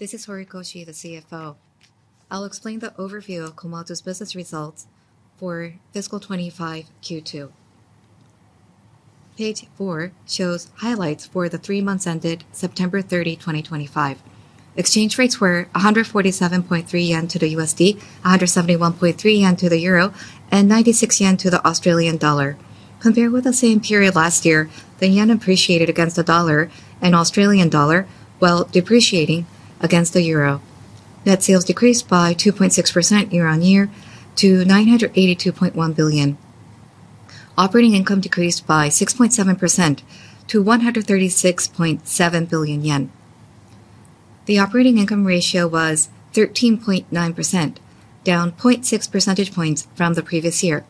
This is Horikoshi, the CFO. I'll explain the overview of Komatsu's business results for FY 2025 Q2. Page four shows highlights for the three months ended September 30, 2025. Exchange rates were 147.3 yen to the USD, 171.3 yen to the Euro, and 96 yen to the Australian dollar. Compared with the same period last year, the yen appreciated against the dollar and the Australian dollar while depreciating against the euro. Net sales decreased by 2.6% year-on-year to JPY 982.1 billion. Operating income decreased by 6.7% to 136.7 billion yen. The operating income ratio was 13.9%, down 0.6 percentage points from the previous year.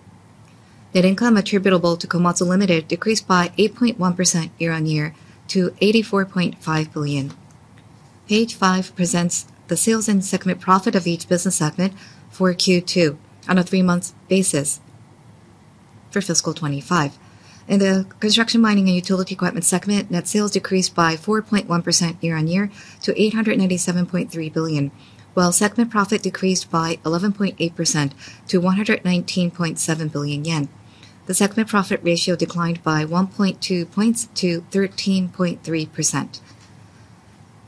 Net income attributable to Komatsu Limited. decreased by 8.1% year-on-year to 84.5 billion. Page five presents the sales and segment profit of each business segment for Q2 on a three-month basis for FY 2025. In the Construction, Mining & Utility Equipment segment, net sales decreased by 4.1% year-on-year to 897.3 billion, while segment profit decreased by 11.8% to 119.7 billion yen. The segment profit ratio declined by 1.2 points to 13.3%.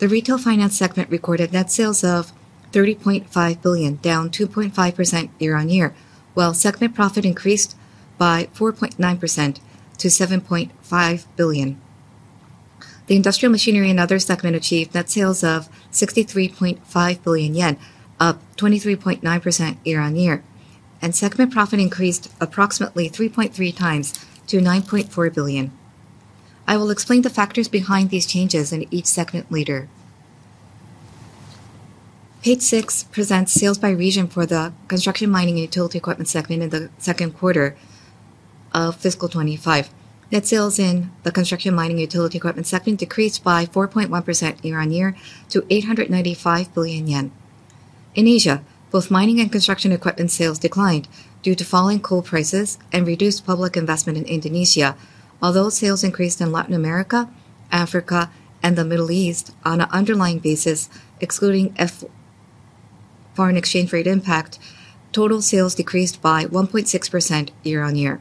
The Retail Finance segment recorded net sales of 30.5 billion, down 2.5% year-on-year, while segment profit increased by 4.9% to 7.5 billion. The Industrial Machinery & Others segment achieved net sales of 63.5 billion yen, up 23.9% year-on-year, and segment profit increased approximately 3.3 times to 9.4 billion. I will explain the factors behind these changes in each segment later. Page six presents sales by region for the Construction, Mining & Utility Equipment segment in the second quarter of FY 2025. Net sales in the Construction, Mining & Utility Equipment segment decreased by 4.1% year-on-year to 895 billion yen. In Asia, both mining and construction equipment sales declined due to falling coal prices and reduced public investment in Indonesia, although sales increased in Latin America, Africa, and the Middle East on an underlying basis, excluding foreign exchange rate impact. Total sales decreased by 1.6% year-on-year.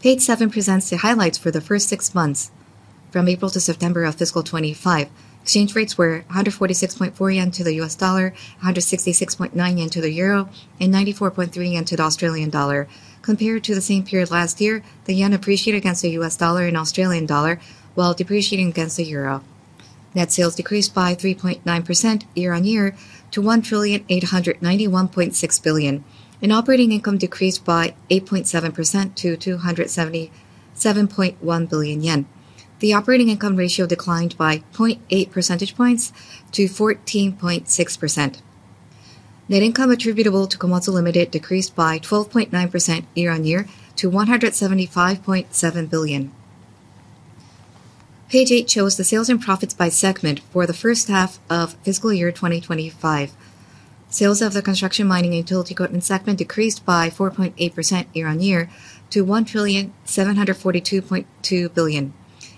Page seven presents the highlights for the first six months from April to September of FY 2025. Exchange rates were 146.4 yen to the USD, JPY 166.9 to the Euro, and 94.3 yen to the Australian dollar. Compared to the same period last year, the yen appreciated against the USD and Australian dollar, while depreciating against the euro. Net sales decreased by 3.9% year-on-year to 1,891.6 billion, and operating income decreased by 8.7% to 277.1 billion yen. The operating income ratio declined by 0.8 percentage points to 14.6%. Net income attributable to Komatsu Limited. decreased by 12.9% year-on-year to 175.7 billion. Page eight shows the sales and profits by segment for the first half of fiscal year 2025. Sales of the Construction, Mining & Utility Equipment segment decreased by 4.8% year-on-year to JPY 1,742.2 billion,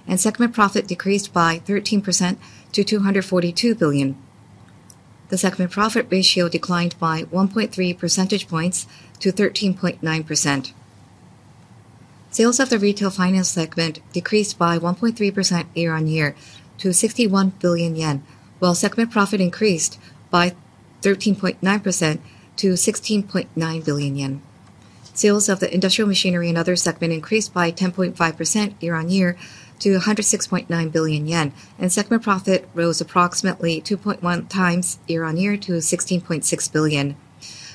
and segment profit decreased by 13% to JPY 242 billion. The segment profit ratio declined by 1.3 percentage points to 13.9%. Sales of the Retail Finance segment decreased by 1.3% year-on-year to 61 billion yen, while segment profit increased by 13.9% to 16.9 billion yen. Sales of the Industrial Machinery & Others segment increased by 10.5% year-on-year to 106.9 billion yen, and segment profit rose approximately 2.1 times year-on-year to 16.6 billion.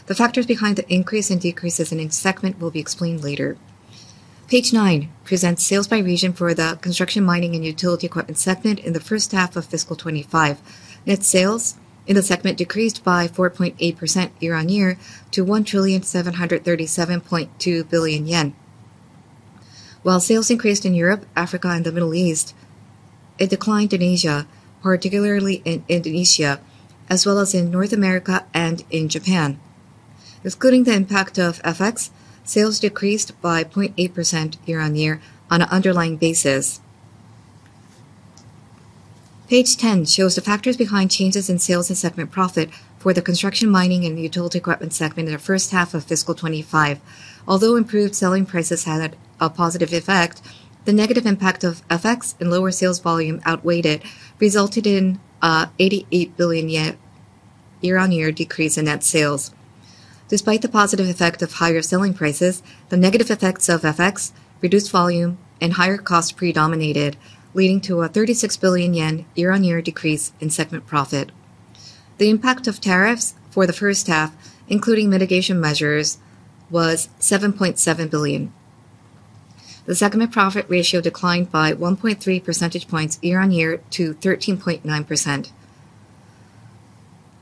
The factors behind the increase and decreases in each segment will be explained later. Page nine presents sales by region for the Construction, Mining & Utility Equipment segment in the first half of FY 2025. Net sales in the segment decreased by 4.8% year-on-year to 1,737.2 billion yen. While sales increased in Europe, Africa, and the Middle East, it declined in Asia, particularly in Indonesia, as well as in North America and in Japan. Excluding the impact of FX, sales decreased by 0.8% year-on-year on an underlying basis. Page 10 shows the factors behind changes in sales and segment profit for the Construction, Mining & Utility Equipment segment in the first half of FY 2025. Although improved selling prices had a positive effect, the negative impact of FX and lower sales volume outweighed it, resulting in an 88 billion year-on-year decrease in net sales. Despite the positive effect of higher selling prices, the negative effects of FX, reduced volume, and higher costs predominated, leading to a 36 billion yen year-on-year decrease in segment profit. The impact of tariffs for the first half, including mitigation measures, was 7.7 billion. The segment profit ratio declined by 1.3 percentage points year-on-year to 13.9%.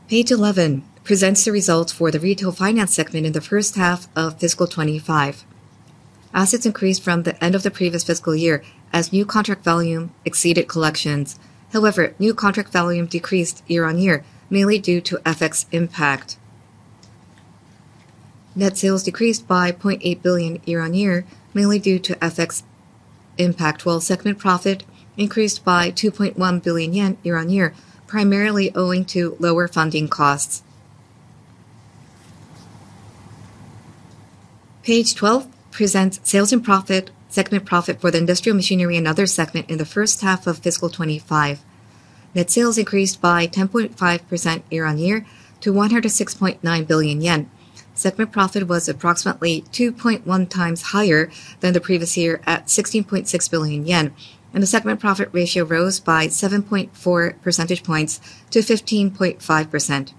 Page 11 presents the results for the Retail Finance segment in the first half of FY 2025. Assets increased from the end of the previous fiscal year as new contract volume exceeded collections. However, new contract volume decreased year-on-year, mainly due to FX impact. Net sales decreased by 0.8 billion year-on-year, mainly due to FX impact, while segment profit increased by 2.1 billion yen year-on-year, primarily owing to lower funding costs. Page 12 presents sales and profit, segment profit for the Industrial Machinery & Others segment in the first half of FY 2025. Net sales increased by 10.5% year-on-year to 106.9 billion yen. Segment profit was approximately 2.1 times higher than the previous year at 16.6 billion yen, and the segment profit ratio rose by 7.4 percentage points to 15.5%.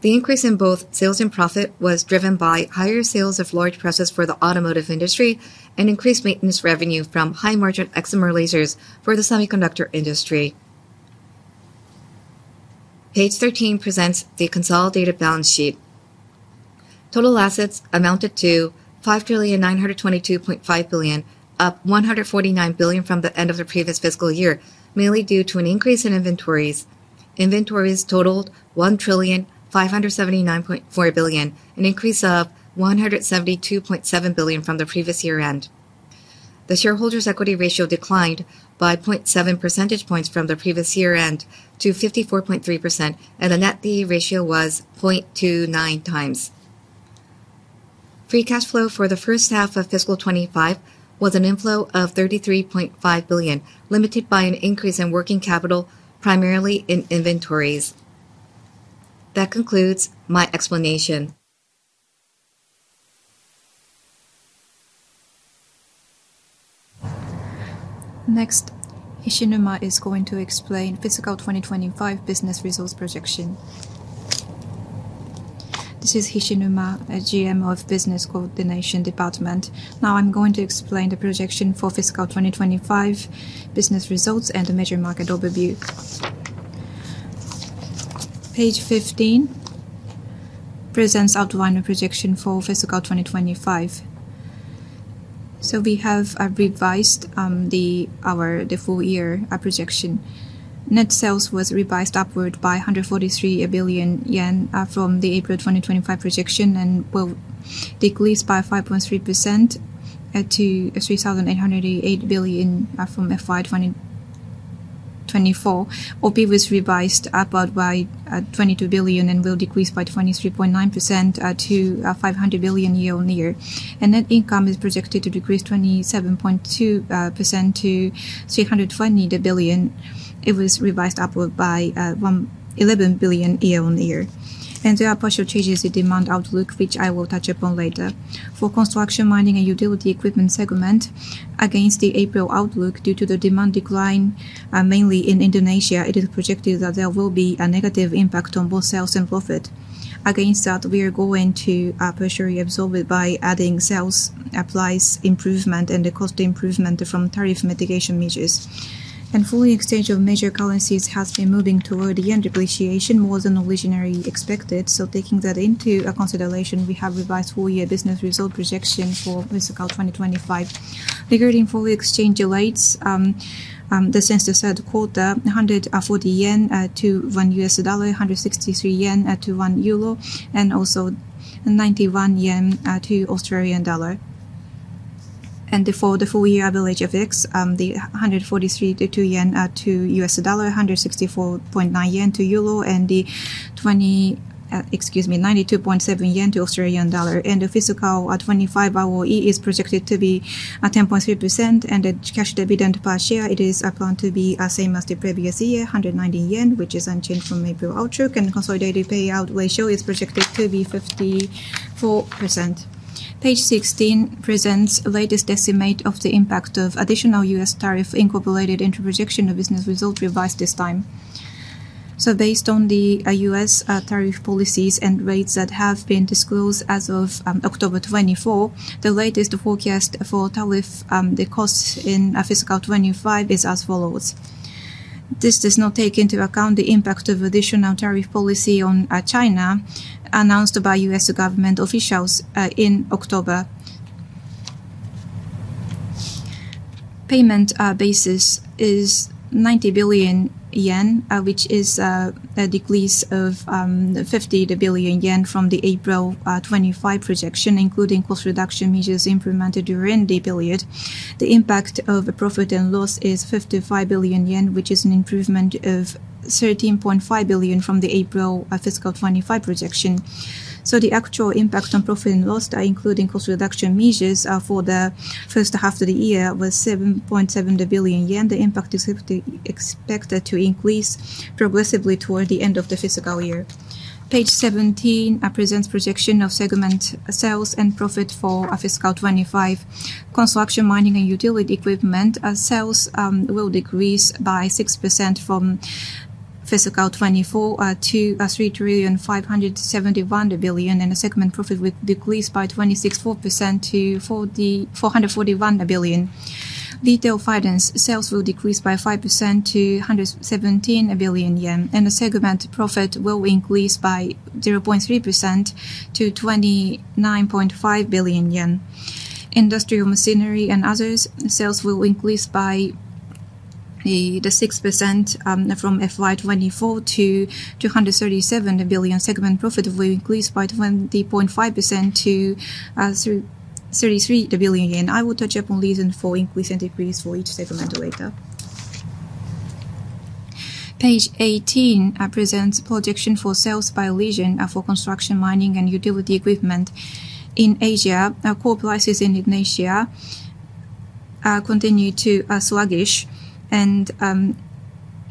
The increase in both sales and profit was driven by higher sales of large presses for the automotive industry and increased maintenance revenue from high-margin excimer lasers for the semiconductor industry. Page 13 presents the consolidated balance sheet. Total assets amounted to 5,922.5 billion, up 149 billion from the end of the previous fiscal year, mainly due to an increase in inventories. Inventories totaled 1,579.4 billion, an increase of 172.7 billion from the previous year end. The shareholders' equity ratio declined by 0.7 percentage points from the previous year end to 54.3%, and the net D ratio was 0.29x. Free cash flow for the first half of FY 2025 was an inflow of 33.5 billion, limited by an increase in working capital, primarily in inventories. That concludes my explanation. Next, Hishinuma is going to explain FY 2025 business results projection. This is Hishinuma, a GM of the Business Coordination Department. Now I'm going to explain the projection for FY 2025 business results and the measure market overview. Page 15 presents outline of projection for FY 2025. We have revised our full-year projection. Net sales were revised upward by 143 billion yen from the April 2025 projection and will decrease by 5.3% to 3,808 billion from FY 2024. OP was revised upward by 22 billion and will decrease by 23.9% to 500 billion year-on-year. Net income is projected to decrease 27.2% to 320 billion. It was revised upward by 11 billion year-on-year. There are partial changes in demand outlook, which I will touch upon later. For Construction, Mining & Utility Equipment segment, against the April outlook, due to the demand decline, mainly in Indonesia, it is projected that there will be a negative impact on both sales and profit. Against that, we are going to partially absorb it by adding sales, applies improvement, and the cost improvement from tariff mitigation measures. Fully exchange of major currencies has been moving toward yen depreciation more than originally expected. Taking that into consideration, we have revised full-year business result projection for FY 2025. The greeting fully exchange delayed the census at quota 140 yen to $1, 163 yen to 1 euro, and also 91 yen to AUD 1. For the full-year average of X, the 143.2 yen to $1, 164.9 yen to 1 euro, and 92.7 yen to AUD 1. The FY 25-hour E is projected to be 10.3%. The cash dividend per share, it is planned to be the same as the previous year, 119 yen, which is unchanged from April outlook. The consolidated payout ratio is projected to be 54%. Page 16 presents the latest estimate of the impact of additional U.S. tariff incorporated into the projection of business result revised this time. Based on the U.S. tariff policies and rates that have been disclosed as of October 2024, the latest forecast for tariff, the cost in FY 2025 is as follows. This does not take into account the impact of additional tariff policy on China announced by U.S. government officials in October. Payment basis is 90 billion yen, which is a decrease of 50 billion yen from the April 2025 projection, including cost reduction measures implemented during the period. The impact of profit and loss is 55 billion yen, which is an improvement of 13.5 billion from the April FY 2025 projection. The actual impact on profit and loss, including cost reduction measures for the first half of the year, was 7.7 billion yen. The impact is expected to increase progressively toward the end of the fiscal year. Page 17 presents projection of segment sales and profit for FY 2025. Construction, Mining & Utility Equipment sales will decrease by 6% from FY 2024 to 3,571 billion yen, and the segment profit will decrease by 26.4% to 441 billion. Retail Finance sales will decrease by 5% to 117 billion yen, and the segment profit will increase by 0.3% to 29.5 billion yen. Industrial Machinery & Others sales will increase by 6% from FY 2024 to 237 billion. Segment profit will increase by 20.5% to 33 billion yen. I will touch upon reason for increase and decrease for each segment later. Page 18 presents projection for sales by region for Construction, Mining & Utility Equipment in Asia. Coal prices in Indonesia continue to be sluggish, and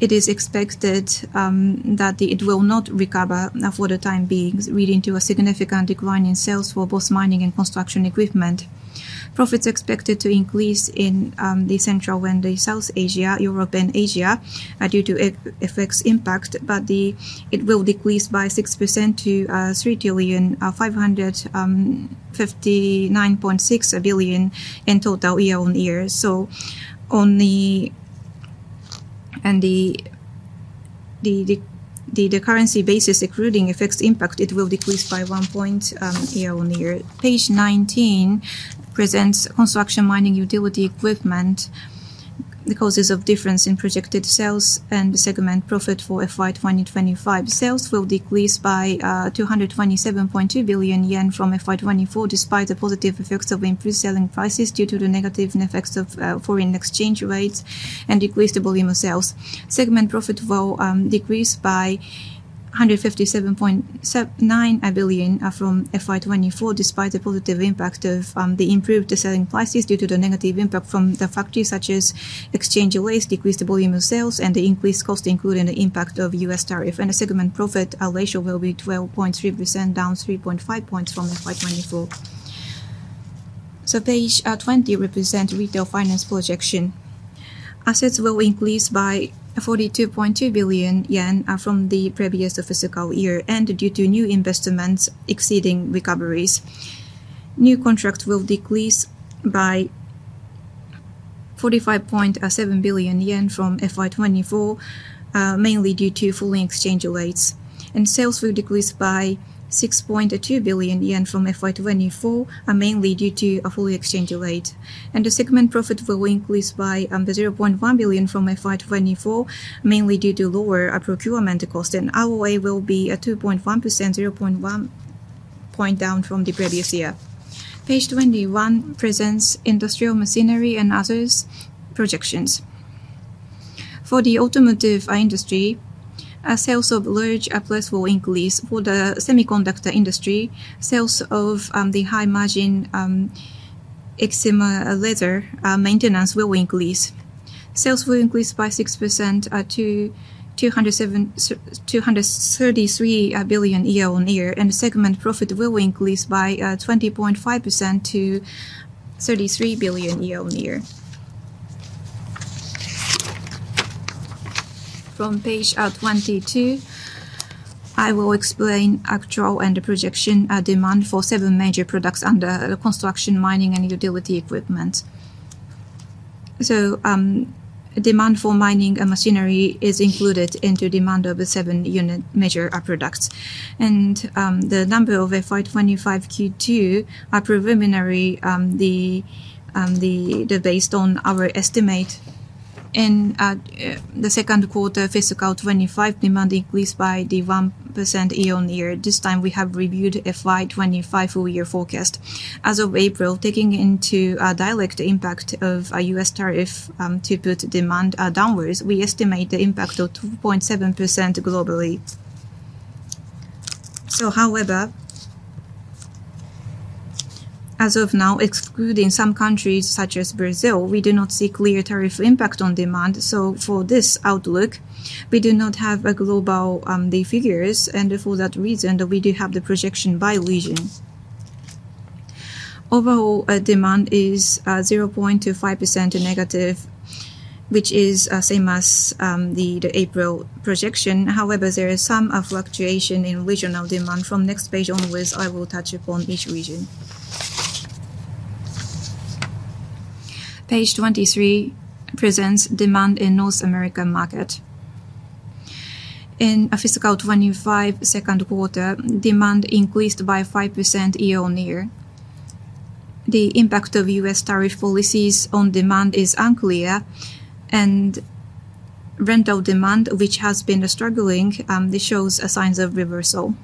it is expected that it will not recover for the time being, leading to a significant decline in sales for both mining and construction equipment. Profits are expected to increase in Central and South Asia, Europe, and Asia due to FX impact, but it will decrease by 6% to 3,559.6 billion in total year-on-year. On the currency basis, including FX impact, it will decrease by 1 point year-on-year. Page 19 presents Construction, Mining & Utility Equipment. Because of the difference in projected sales and the segment profit for FY 2025, sales will decrease by 227.2 billion yen from FY 2024, despite the positive effects of increased selling prices due to the negative effects of foreign exchange rates and decreased volume of sales. Segment profit will decrease by 157.9 billion from FY 2024, despite the positive impact of the improved selling prices due to the negative impact from the factors such as exchange rates, decreased volume of sales, and the increased cost, including the impact of U.S. tariff. The segment profit ratio will be 12.3%, down 3.5 points from FY 2024. Page 20 represents Retail Finance projection. Assets will increase by 42.2 billion yen from the previous fiscal year due to new investments exceeding recoveries. New contracts will decrease by 45.7 billion yen from FY 2024, mainly due to foreign exchange rates. Sales will decrease by 6.2 billion yen from FY 2024, mainly due to a full exchange rate. The segment profit will increase by 0.1 billion from FY 2024, mainly due to lower procurement costs. ROA will be 2.1%, 0.1 point down from the previous year. Page 21 presents Industrial Machinery & Others projections. For the automotive industry, sales of large plates will increase. For the semiconductor industry, sales of the high-margin excimer laser maintenance will increase. Sales will increase by 6% to 233 billion year-on-year, and the segment profit will increase by 20.5% to 33 billion year-on-year. From page 22, I will explain actual and projection demand for seven major products under Construction, Mining & Utility Equipment. Demand for mining and machinery is included in the demand of the seven major products. The numbers for FY 2025 Q2 are preliminary based on our estimate. In the second quarter of FY 2025, demand increased by 1% year-on-year. This time we have reviewed the FY 2025 full-year forecast. As of April, taking into account the direct impact of U.S. tariff to put demand downwards, we estimate the impact of 2.7% globally. However, as of now, excluding some countries such as Brazil, we do not see clear tariff impact on demand. For this outlook, we do not have global figures, and for that reason, we do have the projection by region. Overall, demand is 0.25% negative, which is the same as the April projection. There is some fluctuation in regional demand. From the next page onwards, I will touch upon each region. Page 23 presents demand in the North American market. In FY 2025 second quarter, demand increased by 5% year-on-year. The impact of U.S. tariff policies on demand is unclear, and rental demand, which has been struggling, shows signs of reversal.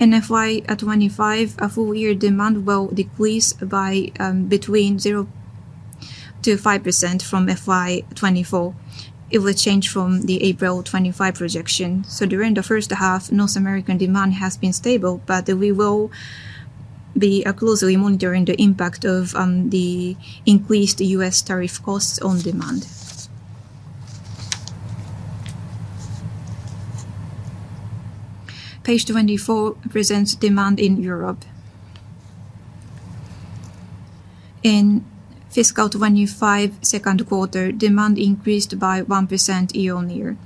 In FY 2025, full-year demand will decrease by between 0%-5% from FY 2024. It will change from the April 2025 projection. During the first half, North American demand has been stable, but we will be closely monitoring the impact of the increased U.S. tariff costs on demand. Page 24 presents demand in Europe. In FY 2025 second quarter, demand increased by 1% year-on-year.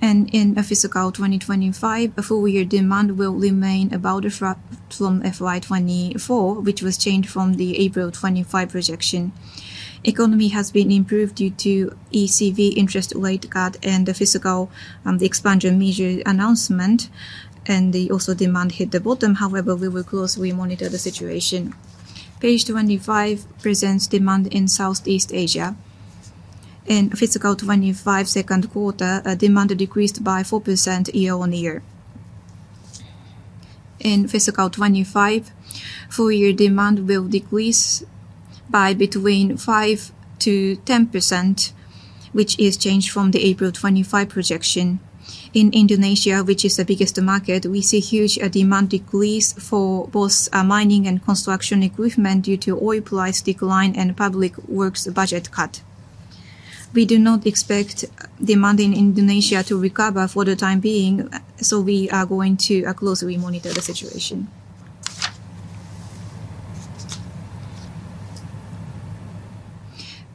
In FY 2025, full-year demand will remain about a drop from FY 2024, which was changed from the April 2025 projection. The economy has improved due to ECB interest rate cut and the FY expansion measure announcement, and also demand hit the bottom. We will closely monitor the situation. Page 25 presents demand in Southeast Asia. In FY 2025 second quarter, demand decreased by 4% year-on-year. In FY 2025, full-year demand will decrease by between 5%-10%, which is changed from the April 2025 projection. In Indonesia, which is the biggest market, we see huge demand decrease for both mining and construction equipment due to oil price decline and public works budget cut. We do not expect demand in Indonesia to recover for the time being, so we are going to closely monitor the situation.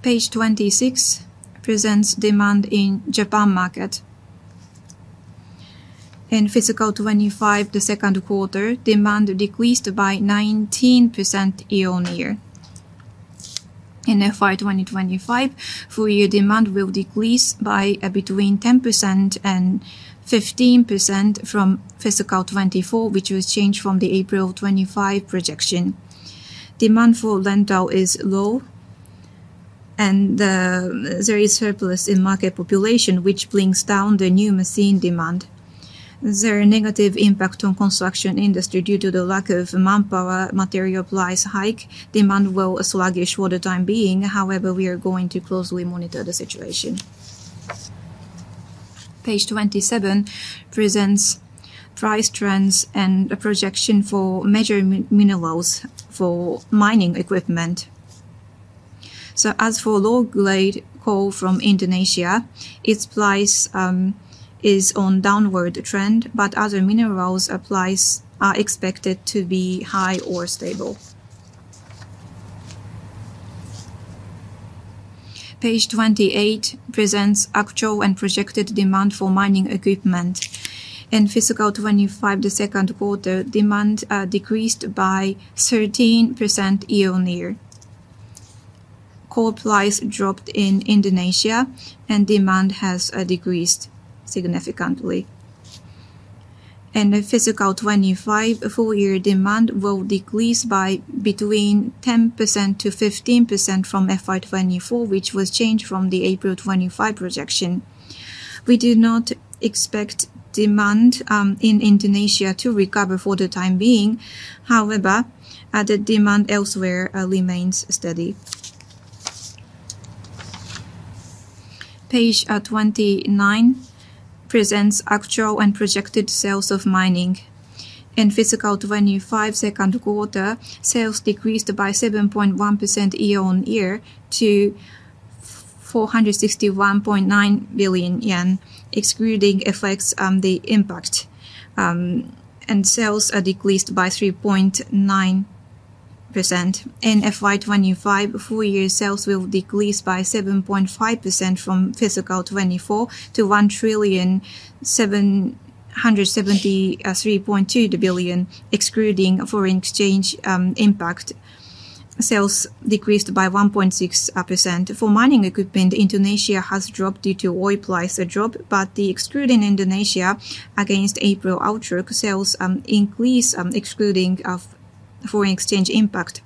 Page 26 presents demand in the Japan market. In FY 2025, the second quarter, demand decreased by 19% year-on-year. In FY 2025, full-year demand will decrease by between 10% and 15% from FY 2024, which was changed from the April 2025 projection. Demand for rental is low, and there is surplus in market population, which brings down the new machine demand. There is a negative impact on the construction industry due to the lack of manpower. Material price hike, demand will be sluggish for the time being. However, we are going to closely monitor the situation. Page 27 presents price trends and a projection for major minerals for mining equipment. As for low-grade coal from Indonesia, its price is on a downward trend, but other minerals' prices are expected to be high or stable. Page 28 presents actual and projected demand for mining equipment. In FY 2025, the second quarter, demand decreased by 13% year-on-year. Coal price dropped in Indonesia, and demand has decreased significantly. In FY 2025, full-year demand will decrease by between 10%-15% from FY 2024, which was changed from the April 2025 projection. We do not expect demand in Indonesia to recover for the time being. However, the demand elsewhere remains steady. Page 29 presents actual and projected sales of mining. In FY 2025 second quarter, sales decreased by 7.1% year-on-year to 461.9 billion yen, excluding effects on the impact. Sales decreased by 3.9%. In FY 2025, full-year sales will decrease by 7.5% from FY 2024 to 1,773.2 billion, excluding foreign exchange impact. Sales decreased by 1.6%. For mining equipment, Indonesia has dropped due to oil price drop, but excluding Indonesia against April outlook, sales increase, excluding foreign exchange impact.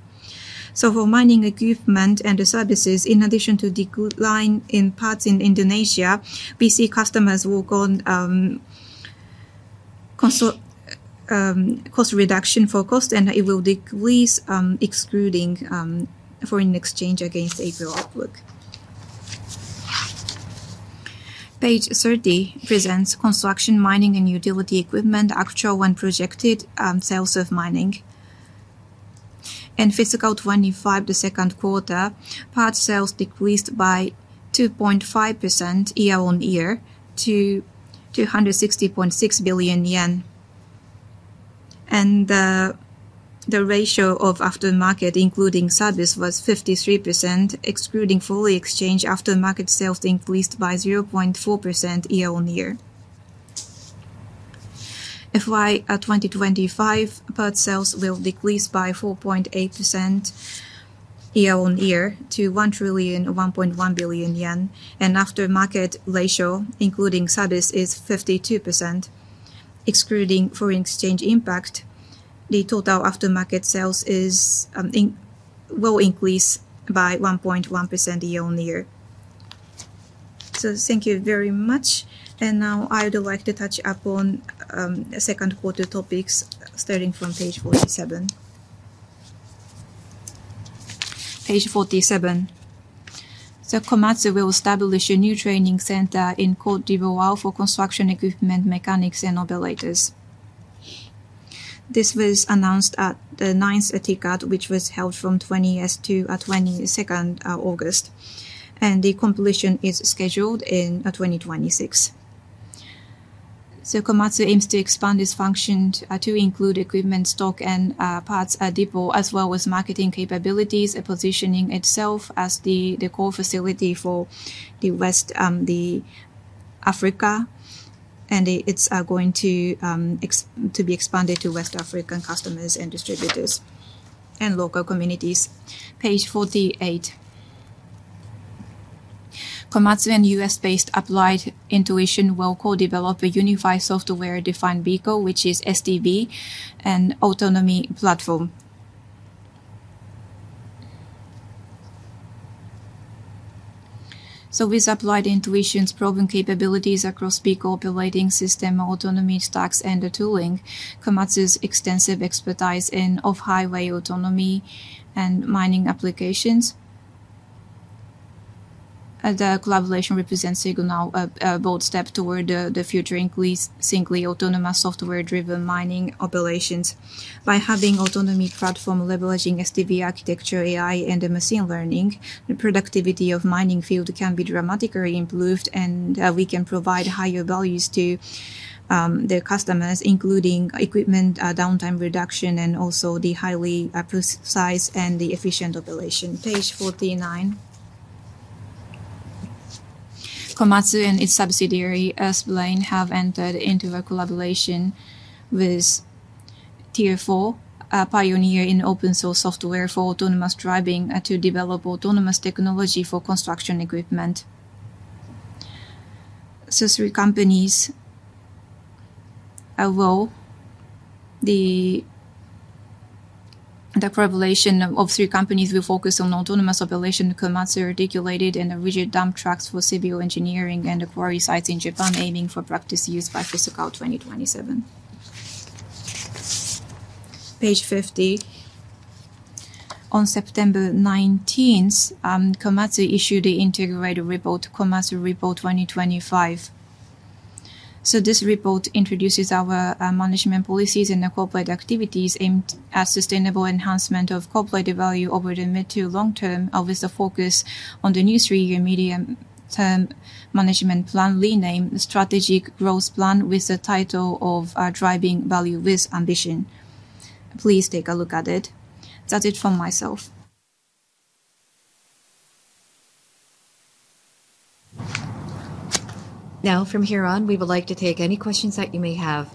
For mining equipment and services, in addition to the decline in parts in Indonesia, we see customers work on cost reduction for cost, and it will decrease, excluding foreign exchange against April outlook. Page 30 presents Construction, Mining & Utility Equipment, actual and projected sales of mining. In FY 2025, the second quarter, parts sales decreased by 2.5% year-on-year to JPY 260.6 billion. The ratio of aftermarket, including service, was 53%, excluding foreign exchange. Aftermarket sales increased by 0.4% year-on-year. FY 2025 parts sales will decrease by 4.8% year-on-year to JPY 1,001.1 billion. The aftermarket ratio, including service, is 52%, excluding foreign exchange impact. The total aftermarket sales will increase by 1.1% year-on-year. Thank you very much. I would like to touch upon second quarter topics, starting from page 47. Page 47. Komatsu will establish a new training center in Côte d'Ivoire for construction equipment mechanics and operators. This was announced at the 9th TECAD, which was held from August 20th to 22nd. The completion is scheduled in 2026. Komatsu aims to expand its function to include equipment stock and parts depot, as well as marketing capabilities, positioning itself as the core facility for West Africa. It is going to be expanded to West African customers, distributors, and local communities. Page 48. Komatsu and U.S.-based Applied Intuition will co-develop a unified software-defined vehicle, which is SDV, an autonomy platform. With Applied Intuition's probing capabilities across vehicle operating system, autonomy stacks, and tooling, and Komatsu's extensive expertise in off-highway autonomy and mining applications, the collaboration represents a bold step toward the future in synchronously autonomous software-driven mining operations. By having an autonomy platform leveraging SDV architecture, AI, and machine learning, the productivity of the mining field can be dramatically improved, and we can provide higher values to the customers, including equipment downtime reduction and also highly precise and efficient operation. Page 49. Komatsu and its subsidiary S-BLANE have entered into a collaboration with Tier IV, a pioneer in open-source software for autonomous driving, to develop autonomous technology for construction equipment. The collaboration of three companies will focus on autonomous operations. Komatsu articulated in a rigid dump truck for civil engineering and quarry sites in Japan, aiming for practical use by FY 2027. Page 50. On September 19th, Komatsu issued the integrated report, Komatsu Report 2025. This report introduces our management policies and the corporate activities aimed at sustainable enhancement of corporate value over the mid to long term, with the focus on the new three-year medium-term management plan, renamed the Strategic Growth Plan, with the title of Driving Value with Ambition. Please take a look at it. That's it from myself. Now, from here on, we would like to take any questions that you may have.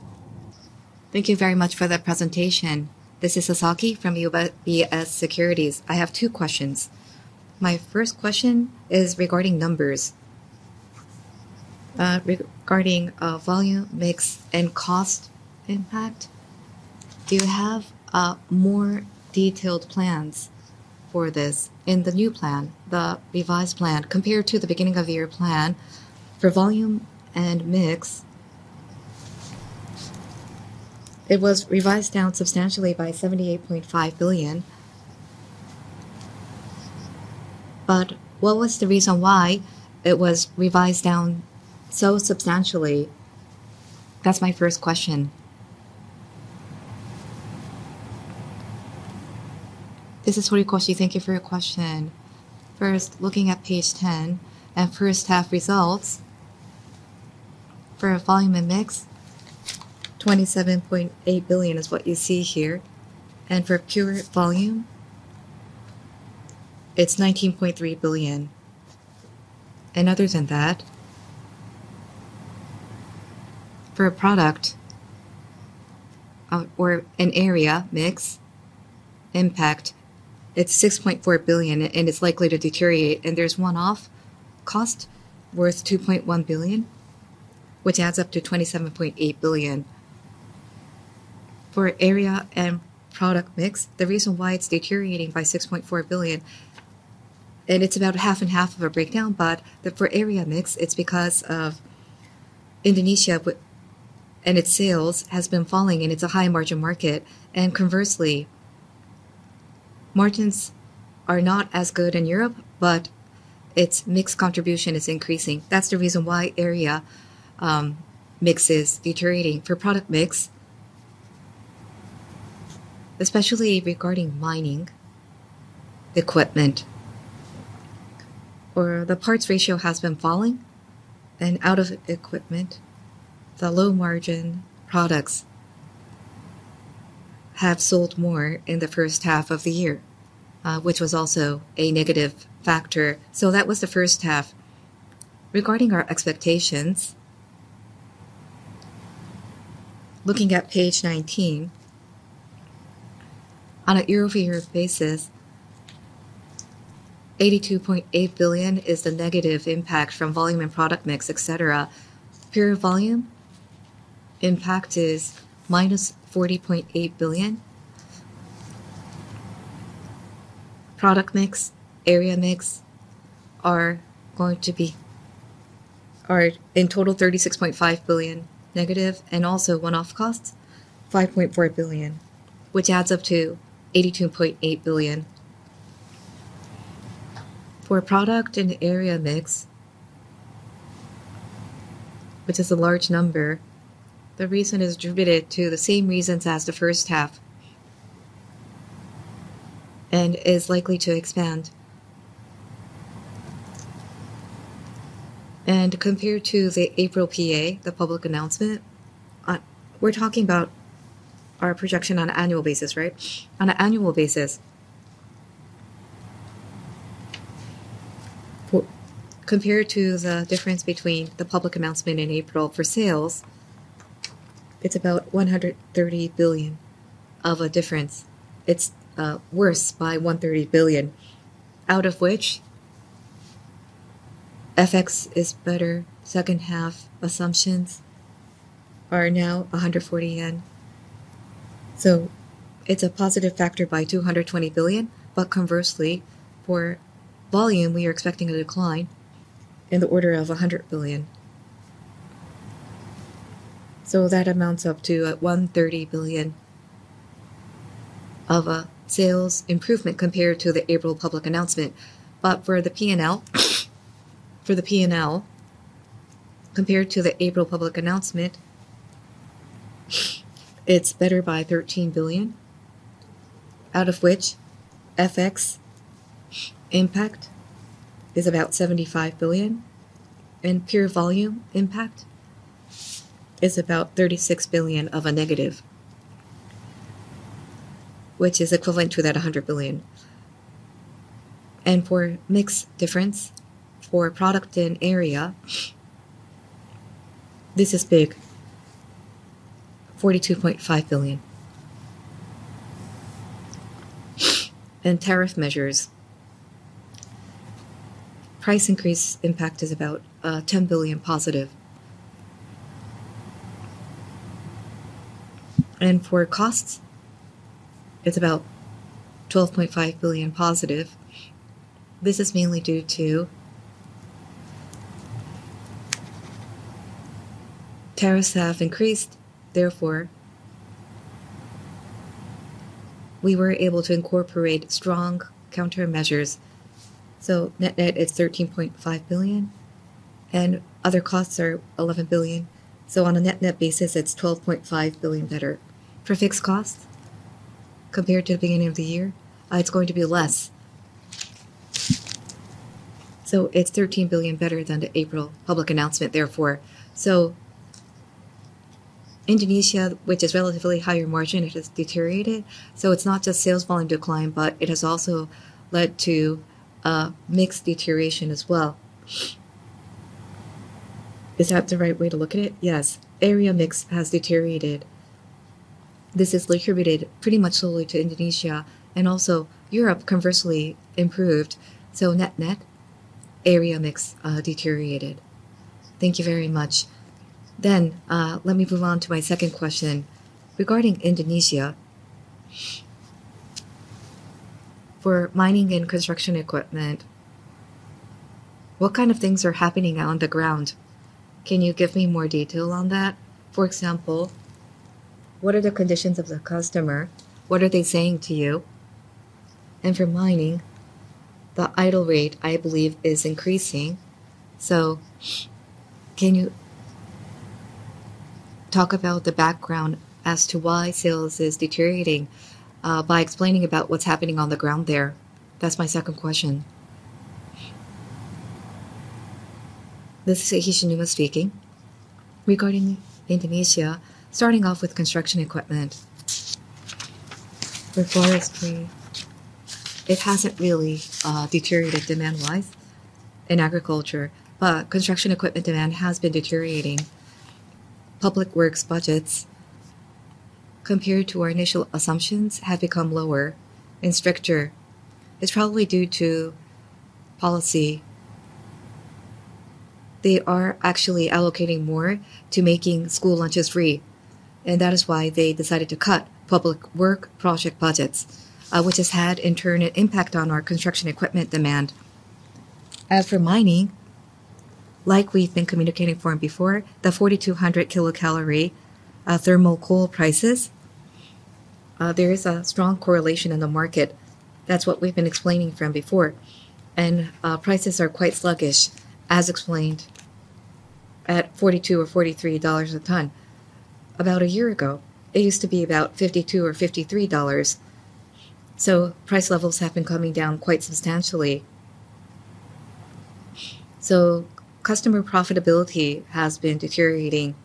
Thank you very much for that presentation. This is Sasaki from UBS. I have two questions. My first question is regarding numbers. Regarding volume mix and cost impact, do you have more detailed plans for this? In the new plan, the revised plan, compared to the beginning-of-the-year plan for volume and mix, it was revised down substantially by 78.5 billion. What was the reason why it was revised down so substantially? That's my first question. This is Horikoshi; thank you for your question. First, looking at page 10 and first half results, for volume and mix, 27.8 billion is what you see here. For pure volume, it's 19.3 billion. Other than that, for a product or an area mix impact, it's 6.4 billion, and it's likely to deteriorate. There's one-off cost worth 2.1 billion, which adds up to 27.8 billion. For area and product mix, the reason why it's deteriorating by 6.4 billion, and it's about half and half of a breakdown, for area mix, it's because of Indonesia and its sales have been falling, and it's a high margin market. Conversely, margins are not as good in Europe, but its mix contribution is increasing. That's the reason why area mix is deteriorating. For product mix, especially regarding mining equipment, the parts ratio has been falling, and out of equipment, the low margin products have sold more in the first half of the year, which was also a negative factor. That was the first half. Regarding our expectations, looking at page 19, on a year-over-year basis, 82.8 billion is the negative impact from volume and product mix, etc. Pure volume impact is minus JPY 40.8 billion. Product mix, area mix are going to be, in total, 36.5 billion negative, and also one-off cost, 5.4 billion, which adds up to 82.8 billion. For product and area mix, which is a large number, the reason is attributed to the same reasons as the first half and is likely to expand. Compared to the April public announcement, we're talking about our projection on an annual basis, right? On an annual basis, compared to the difference between the public announcement in April for sales, it's about 130 billion of a difference. It's worse by 130 billion. Out of which, FX is better. Second half assumptions are now 140 yen, so it's a positive factor by 22.0 billion, but conversely, for volume, we are expecting a decline in the order of 100 billion. That amounts up to 130 billion of a sales improvement compared to the April public announcement. For the P&L, compared to the April public announcement, it's better by 13 billion. Out of which, FX impact is about 75 billion, and pure volume impact is about 36 billion negative, which is equivalent to that 100 billion. For mix difference, for product and area, this is big, JPY 42.5 billion. Tariff measures, price increase impact is about 10 billion positive. For costs, it's about 12.5 billion positive. This is mainly due to tariffs having increased. Therefore, we were able to incorporate strong countermeasures. Net, it's 13.5 billion, and other costs are 11 billion. On a net basis, it's 12.5 billion better. For fixed costs, compared to the beginning of the year, it's going to be less. It's 13 billion better than the April public announcement, therefore. Indonesia, which is relatively higher margin, has deteriorated. It's not just sales volume decline, but it has also led to a mix deterioration as well. Is that the right way to look at it? Yes. Area mix has deteriorated. This is attributed pretty much solely to Indonesia, and also Europe, conversely, improved. Net, area mix deteriorated. Thank you very much. Let me move on to my second question. Regarding Indonesia, for Mining & Utility Equipment and Construction, what kind of things are happening on the ground? Can you give me more detail on that? For example, what are the conditions of the customer? What are they saying to you? For mining, the idle rate, I believe, is increasing. Can you talk about the background as to why sales are deteriorating by explaining about what's happening on the ground there? That's my second question. This is Kiyoshi Hishinuma speaking. Regarding Indonesia, starting off with construction equipment, for forestry, it hasn't really deteriorated demand-wise in agriculture, but construction equipment demand has been deteriorating. Public works budgets, compared to our initial assumptions, have become lower and stricter. It's probably due to policy. They are actually allocating more to making school lunches free, and that is why they decided to cut public work project budgets, which has had, in turn, an impact on our construction equipment demand. For mining, like we've been communicating from before, the 4,200 kcal thermal coal prices, there is a strong correlation in the market. That's what we've been explaining from before. Prices are quite sluggish, as explained, at $42 or $43 a ton. About a year ago, it used to be about $52 or $53. Price levels have been coming down quite substantially. Customer profitability has been deteriorating.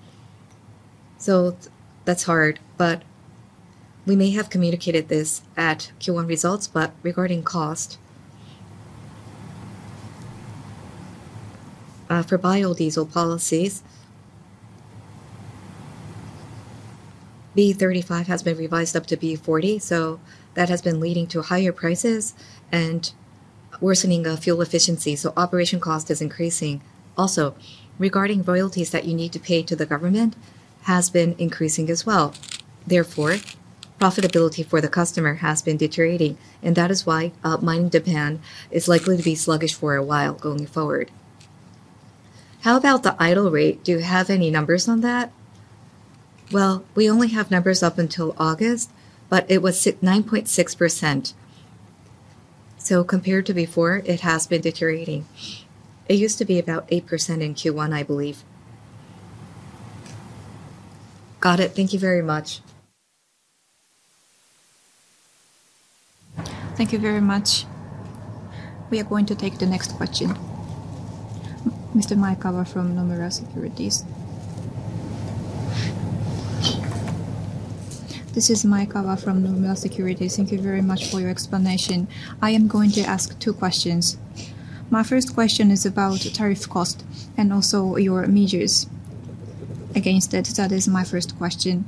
That's hard, but we may have communicated this at Q1 results. Regarding cost for biodiesel policies, B35 has been revised up to B40. That has been leading to higher prices and worsening fuel efficiency. Operation cost is increasing. Also, regarding royalties that you need to pay to the government, it has been increasing as well. Therefore, profitability for the customer has been deteriorating. That is why mining demand is likely to be sluggish for a while going forward. How about the idle rate? Do you have any numbers on that? We only have numbers up until August, but it was 9.6%. Compared to before, it has been deteriorating. It used to be about 8% in Q1, I believe. Got it. Thank you very much. Thank you very much. We are going to take the next question. Mr. Mike Cava from Nomura Securities. This is Mike Cava from Nomura Securities. Thank you very much for your explanation. I am going to ask two questions. My first question is about tariff cost and also your measures against it. That is my first question.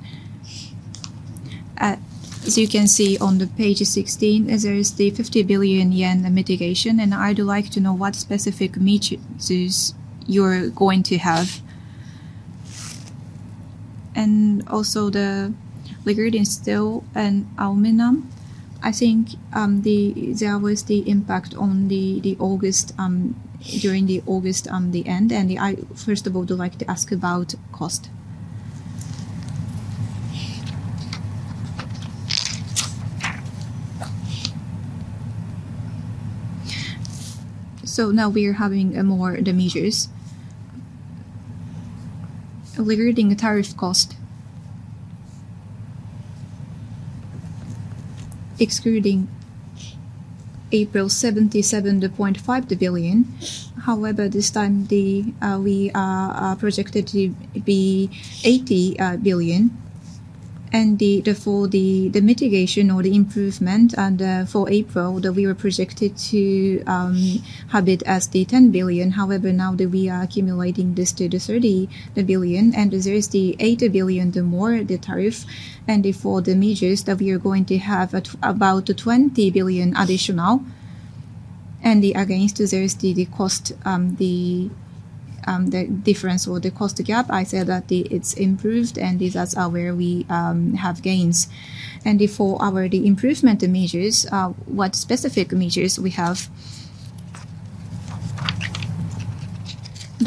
As you can see on page 16, there is the 50 billion yen mitigation, and I'd like to know what specific measures you're going to have. Also, the liquid steel and aluminum. I think there was the impact in August, during August at the end. First of all, I'd like to ask about cost. Now we are having more measures. Liquiding tariff cost, excluding April, 77.5 billion. However, this time we are projected to be 80 billion. Therefore, the mitigation or the improvement for April, we were projected to have it as the 10 billion. However, now we are accumulating this to the 30 billion. There is the 8 billion more for the tariff. For the measures, we are going to have about 20 billion additional. Against the cost, the difference or the cost gap, I said that it's improved, and that's where we have gains. For our improvement measures, what specific measures do we have?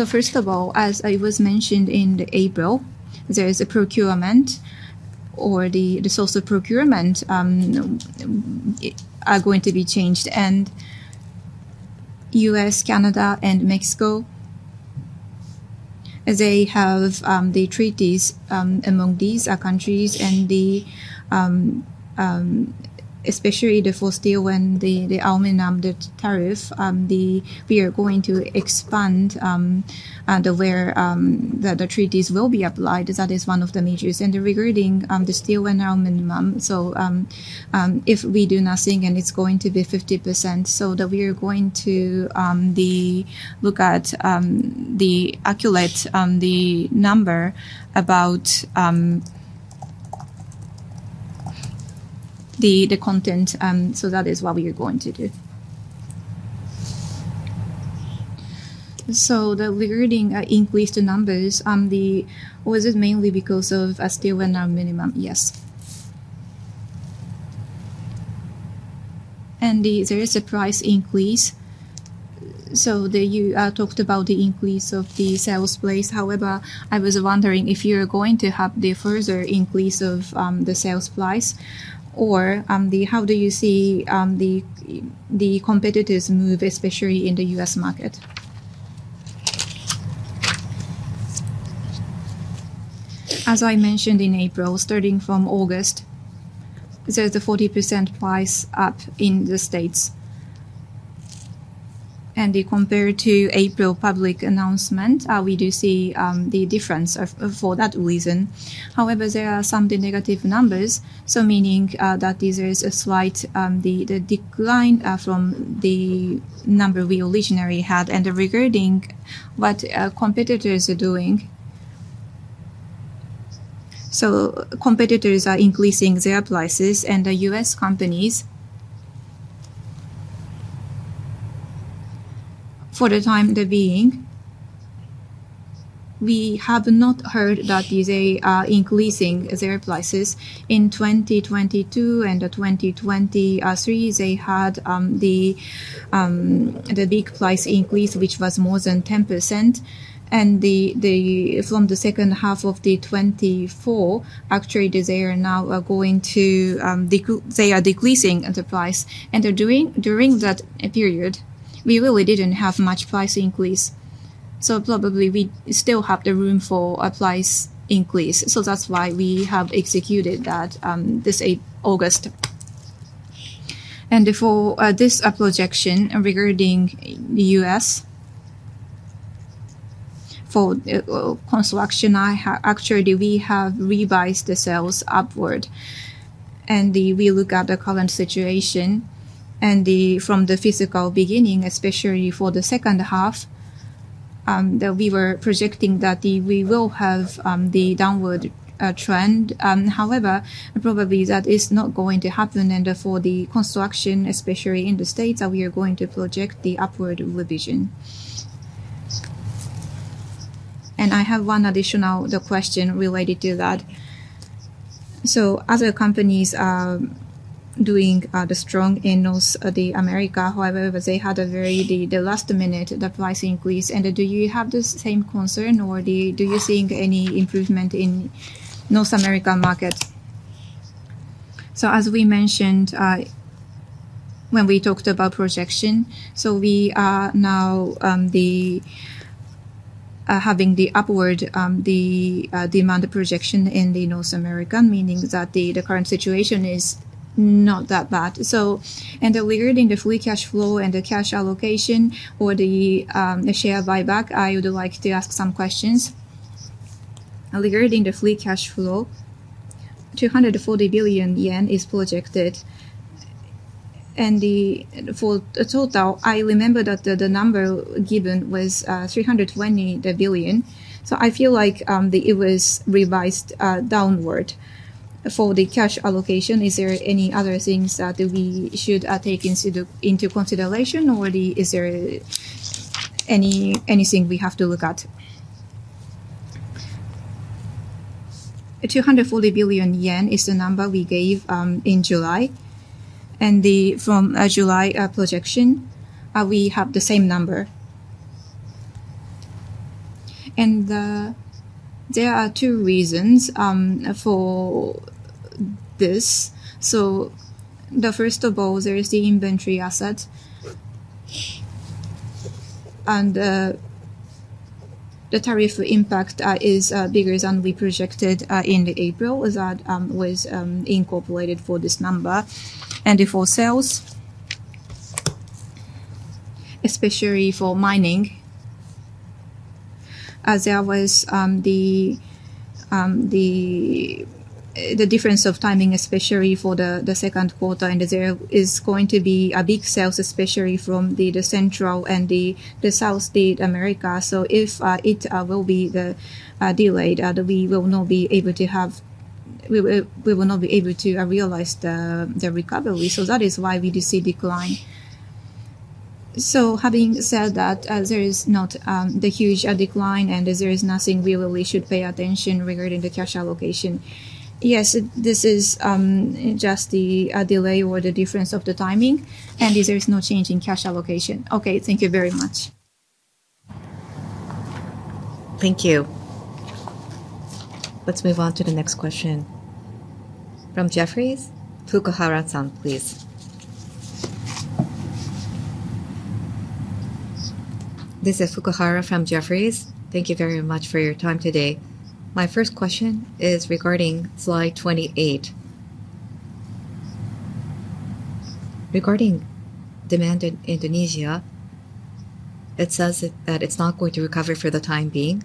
First of all, as I mentioned in April, there is a procurement or the source of procurement is going to be changed. The U.S., Canada, and Mexico have treaties among these countries. Especially for steel and aluminum tariff, we are going to expand where the treaties will be applied. That is one of the measures. Regarding the steel and aluminum, if we do nothing, it's going to be 50%, so we are going to look at the accurate number about the content. That is what we are going to do. The liquiding increased numbers, was it mainly because of steel and aluminum? Yes. There is a price increase. You talked about the increase of the sales price. However, I was wondering if you are going to have a further increase of the sales price or how you see the competitors move, especially in the U.S. market. As I mentioned in April, starting from August, there is a 40% price up in the States. Compared to April public announcement, we do see the difference for that reason. However, there are some negative numbers, meaning that there is a slight decline from the number we originally had. Regarding what competitors are doing, competitors are increasing their prices. The U.S. companies, for the time being, we have not heard that they are increasing their prices. In 2022 and 2023, they had the big price increase, which was more than 10%. From the second half of 2024, actually, they are now going to, they are decreasing the price. During that period, we really didn't have much price increase. Probably we still have the room for a price increase. That's why we have executed that this August. For this projection regarding the U.S. for construction, actually, we have revised the sales upward. We look at the current situation, and from the fiscal beginning, especially for the second half, we were projecting that we will have the downward trend. However, probably that is not going to happen. For the construction, especially in the States, we are going to project the upward revision. I have one additional question related to that. Other companies are doing strong in North America. However, they had a very, the last minute, the price increase. Do you have the same concern, or do you see any improvement in the North American market? As we mentioned when we talked about projection, we are now having the upward demand projection in North America, meaning that the current situation is not that bad. Regarding the free cash flow and the cash allocation or the share buyback, I would like to ask some questions. Regarding the free cash flow, 240 billion yen is projected. For the total, I remember that the number given was 320 billion. I feel like it was revised downward. For the cash allocation, is there any other things that we should take into consideration, or is there anything we have to look at? 240 billion yen is the number we gave in July. From July projection, we have the same number. There are two reasons for this. First of all, there is the inventory asset. The tariff impact is bigger than we projected in April. That was incorporated for this number. For sales, especially for mining, there was the difference of timing, especially for the second quarter. There is going to be big sales, especially from Central and South America. If it will be delayed, we will not be able to realize the recovery. That is why we see decline. Having said that, there is not a huge decline, and there is nothing we really should pay attention regarding the cash allocation. Yes, this is just the delay or the difference of the timing. There is no change in cash allocation. OK, thank you very much. Thank you. Let's move on to the next question. From Jefferies, FU.K.uhara-san, please. This is FU.K.uhara from Jefferies. Thank you very much for your time today. My first question is regarding slide 28. Regarding demand in Indonesia, it says that it's not going to recover for the time being.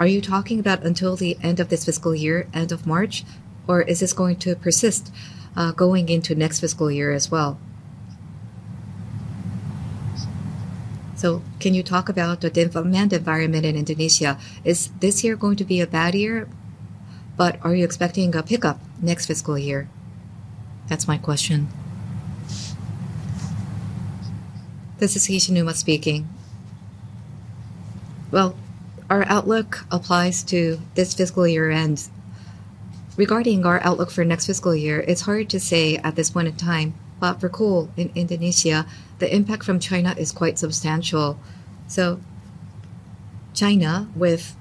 Are you talking about until the end of this fiscal year, end of March, or is this going to persist going into next fiscal year as well? Can you talk about the demand environment in Indonesia? Is this year going to be a bad year, but are you expecting a pickup next fiscal year? That's my question. This is Hishinuma speaking. Our outlook applies to this fiscal year end. Regarding our outlook for next fiscal year, it's hard to say at this point in time. For coal in Indonesia, the impact from China is quite substantial. China, with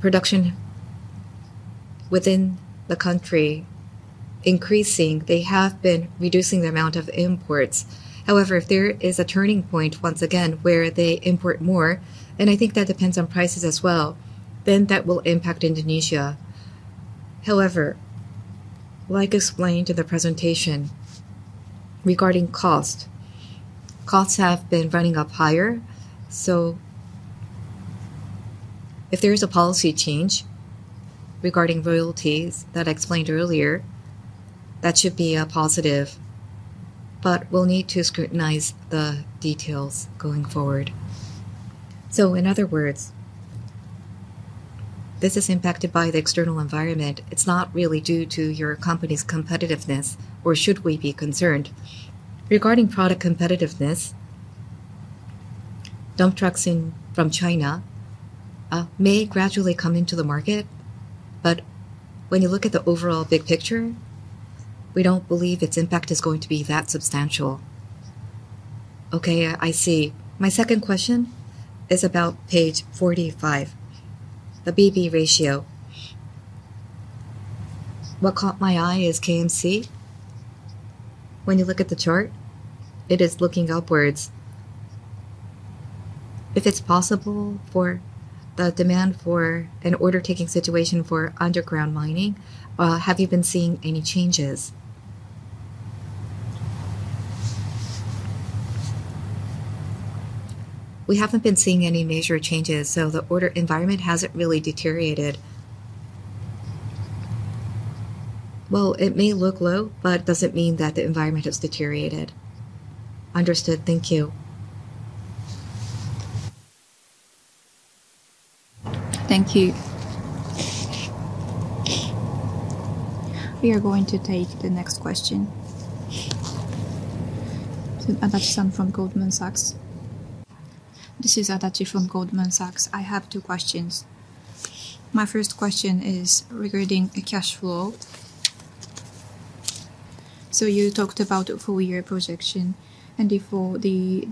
production within the country increasing, has been reducing the amount of imports. If there is a turning point once again where they import more, and I think that depends on prices as well, that will impact Indonesia. Like explained in the presentation regarding cost, costs have been running up higher. If there is a policy change regarding royalties that I explained earlier, that should be a positive. We'll need to scrutinize the details going forward. In other words, this is impacted by the external environment. It's not really due to your company's competitiveness, or should we be concerned? Regarding product competitiveness, dump trucks from China may gradually come into the market. When you look at the overall big picture, we don't believe its impact is going to be that substantial. OK, I see. My second question is about page 45, the BB ratio. What caught my eye is KMC. When you look at the chart, it is looking upwards. If it's possible for the demand for an order-taking situation for underground mining, have you been seeing any changes? We haven't been seeing any major changes, so the order environment hasn't really deteriorated. It may look low, but it doesn't mean that the environment has deteriorated. Understood. Thank you. Thank you. We are going to take the next question. That's from Goldman Sachs. This is Adachi from Goldman Sachs. I have two questions. My first question is regarding cash flow. You talked about a four-year projection. For the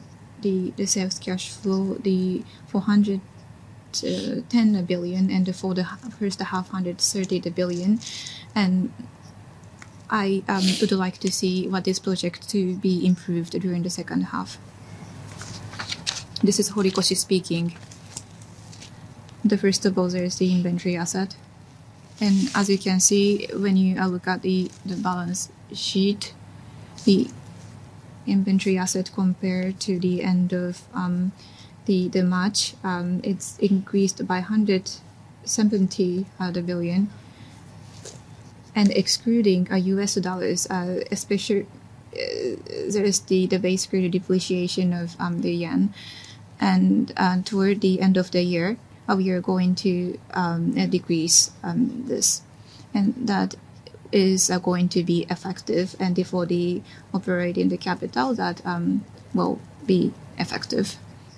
sales cash flow, the 410 billion, and for the first half, 130 billion. I would like to see what this project to be improved during the second half. This is Horikoshi speaking. First of all, there is the inventory asset. As you can see, when you look at the balance sheet, the inventory asset compared to the end of March, it's increased by 170 billion. Excluding U.S. dollars, especially there is the base credit depreciation of the yen. Toward the end of the year, we are going to decrease this. That is going to be effective. For the operating capital, that will be effective.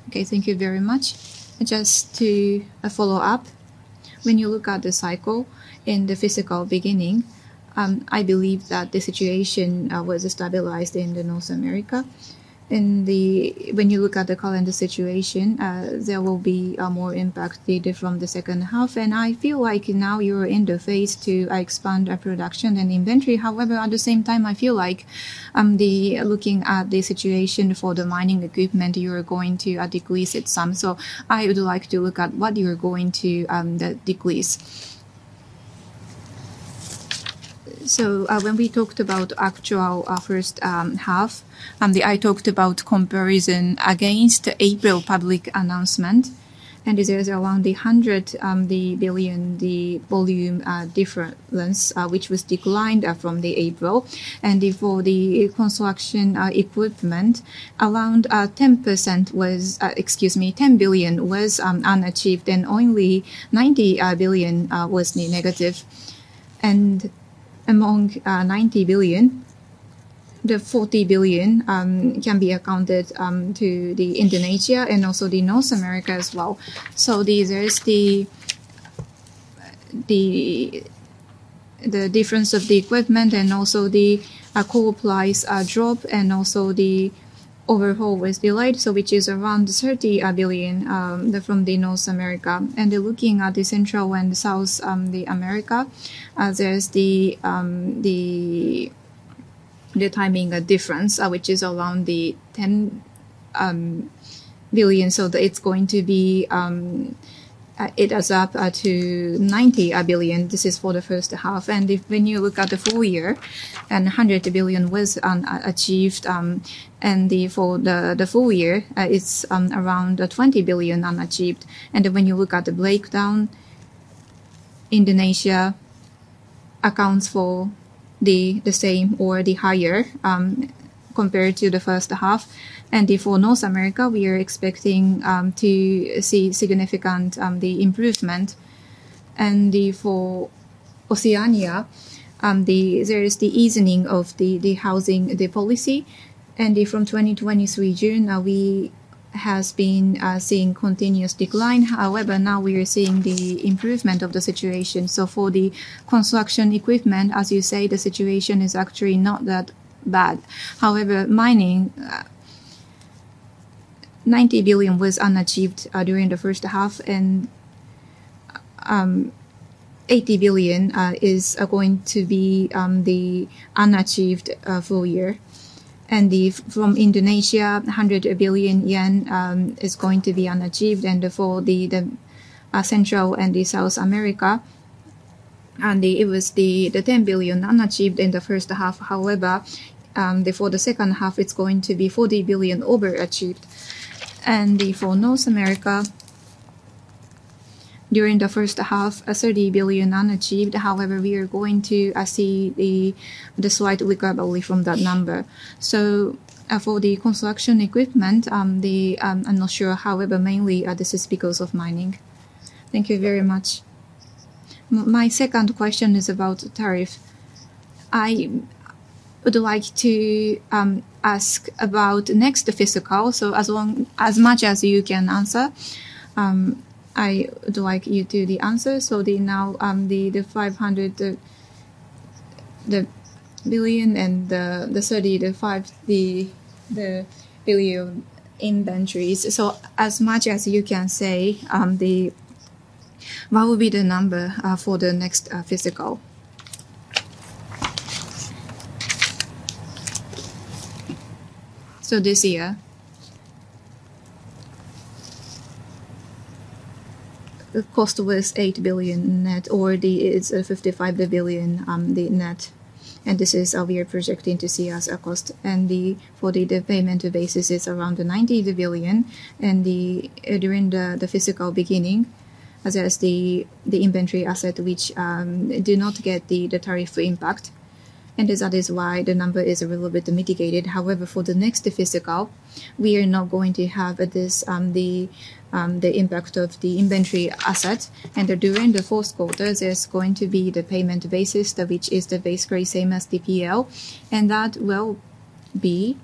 OK, thank you very much. Just to follow up, when you look at the cycle in the fiscal beginning, I believe that the situation was stabilized in North America. When you look at the current situation, there will be more impact from the second half. I feel like now you're in the phase to expand production and inventory. However, at the same time, I feel like looking at the situation for the mining equipment, you're going to decrease it some. I would like to look at what you're going to decrease. When we talked about the actual first half, I talked about comparison against the April public announcement. There's around 100 billion volume difference, which was declined from April. For the construction equipment, around 10 billion was unachieved, and only 90 billion was negative. Among 90 billion, the 40 billion can be accounted to Indonesia and also North America as well. There is the difference of the equipment, and also the coal price drop, and also the overhaul was delayed, which is around 30 billion from North America. Looking at Central and South America, there is the timing difference, which is around 10 billion. It's going to be added up to 90 billion. This is for the first half. When you look at the full year, 100 billion was unachieved. For the full year, it's around 20 billion unachieved. When you look at the breakdown, Indonesia accounts for the same or the higher compared to the first half. For North America, we are expecting to see significant improvement. For Oceania, there is the easing of the housing policy. From 2023 to June, we have been seeing a continuous decline. However, now we are seeing the improvement of the situation. For the construction equipment, as you say, the situation is actually not that bad. However, mining 90 billion was unachieved during the first half. 80 billion is going to be the unachieved full year. From Indonesia, 100 billion yen is going to be unachieved. For Central and South America, it was the 10 billion unachieved in the first half. For the second half, it's going to be 40 billion overachieved. For North America, during the first half, 30 billion unachieved. We are going to see the slight recovery from that number. For the construction equipment, I'm not sure. Mainly this is because of mining. Thank you very much. My second question is about tariff. I would like to ask about next fiscal. As much as you can answer, I would like you to do the answer. Now the 500 billion and the 35 billion inventories. As much as you can say, what will be the number for the next fiscal? This year, the cost was 8 billion net, or it's 55 billion net. This is what we are projecting to see as a cost. For the payment basis, it's around 90 billion. During the fiscal beginning, there is the inventory asset, which did not get the tariff impact. That is why the number is a little bit mitigated. For the next fiscal, we are not going to have the impact of the inventory asset. During the fourth quarter, there's going to be the payment basis, which is the base credit same as TPL. That will be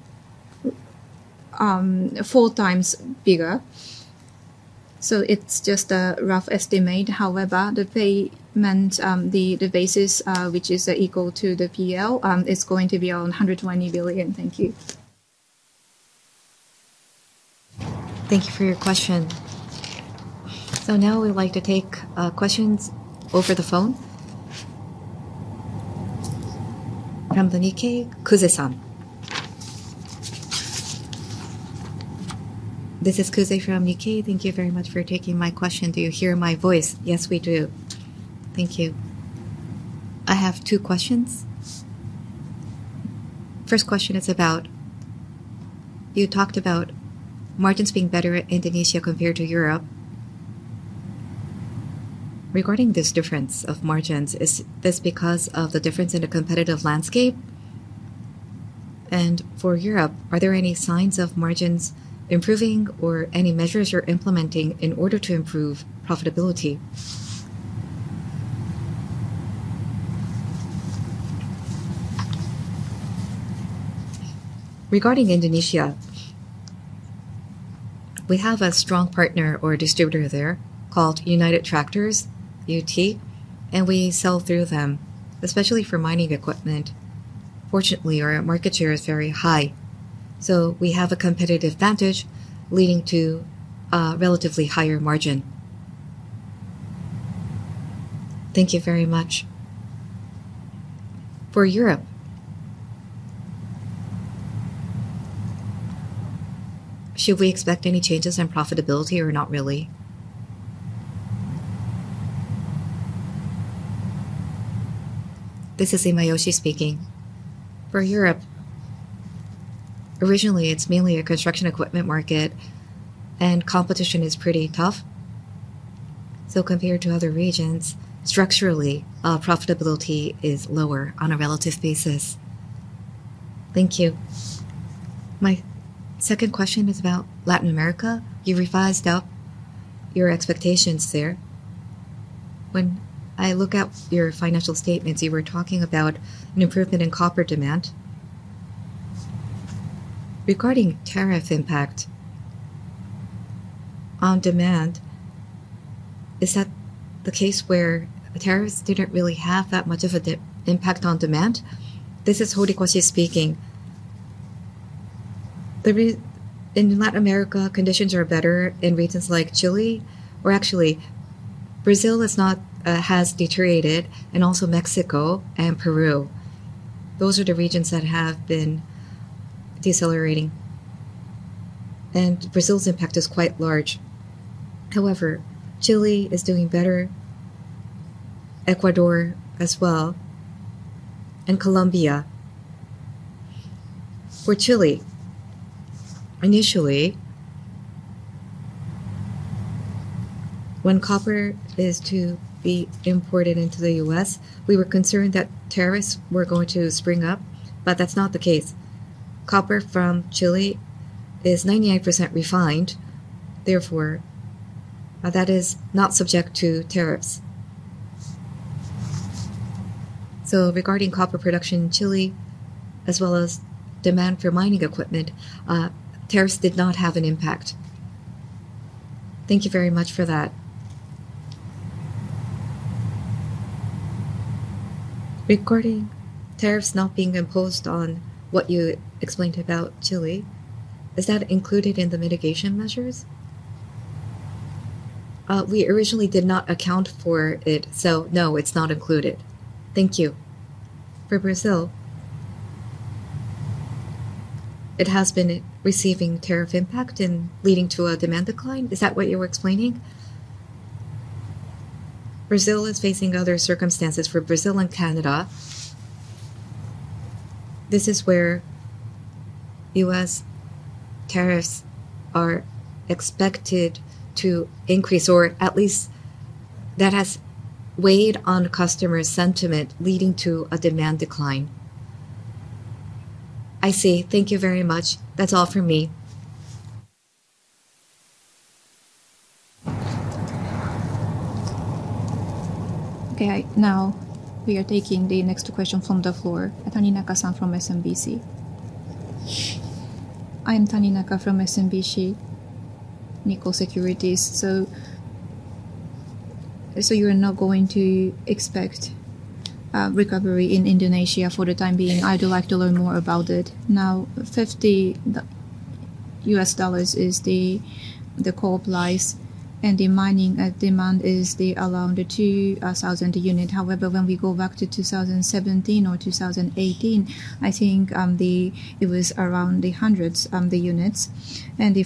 four times bigger. It's just a rough estimate. The payment basis, which is equal to the PL, is going to be around 120 billion. Thank you. Thank you for your question. Now we'd like to take questions over the phone. From the U.K., Kusesan. This is Kusesan from the U.K.. Thank you very much for taking my question. Do you hear my voice? Yes, we do. Thank you. I have two questions. First question is about, you talked about margins being better in Indonesia compared to Europe. Regarding this difference of margins, is this because of the difference in the competitive landscape? For Europe, are there any signs of margins improving or any measures you're implementing in order to improve profitability? Regarding Indonesia, we have a strong partner or distributor there called United Tractors, UT, and we sell through them, especially for mining equipment. Fortunately, our market share is very high. We have a competitive advantage leading to a relatively higher margin. Thank you very much. For Europe, should we expect any changes in profitability or not really? This is Imayoshi speaking. For Europe, originally, it's mainly a construction equipment market, and competition is pretty tough. Compared to other regions, structurally, profitability is lower on a relative basis. Thank you. My second question is about Latin America. You revised up your expectations there. When I look at your financial statements, you were talking about an improvement in copper demand. Regarding tariff impact on demand, is that the case where the tariffs didn't really have that much of an impact on demand? This is Horikoshi speaking. In Latin America, conditions are better in regions like Chile, or actually, Brazil has deteriorated, and also Mexico and Peru. Those are the regions that have been decelerating. Brazil's impact is quite large. However, Chile is doing better, Ecuador as well, and Colombia. For Chile, initially, when copper is to be imported into the U.S., we were concerned that tariffs were going to spring up, but that's not the case. Copper from Chile is 98% refined. Therefore, that is not subject to tariffs. Regarding copper production in Chile, as well as demand for mining equipment, tariffs did not have an impact. Thank you very much for that. Regarding tariffs not being imposed on what you explained about Chile, is that included in the mitigation measures? We originally did not account for it. No, it's not included. Thank you. For Brazil, it has been receiving tariff impact and leading to a demand decline. Is that what you were explaining? Brazil is facing other circumstances. For Brazil and Canada, this is where U.S. tariffs are expected to increase, or at least that has weighed on customer sentiment, leading to a demand decline. I see. Thank you very much. That's all for me. OK, now we are taking the next question from the floor. Taninaka-san from SMBC Nikko Securities. I'm Taninaka from SMBC Nikko Securities. You're not going to expect recovery in Indonesia for the time being. I'd like to learn more about it. Now, $50 is the coal price, and the mining demand is around 2,000 units. However, when we go back to 2017 or 2018, I think it was around the hundreds of units.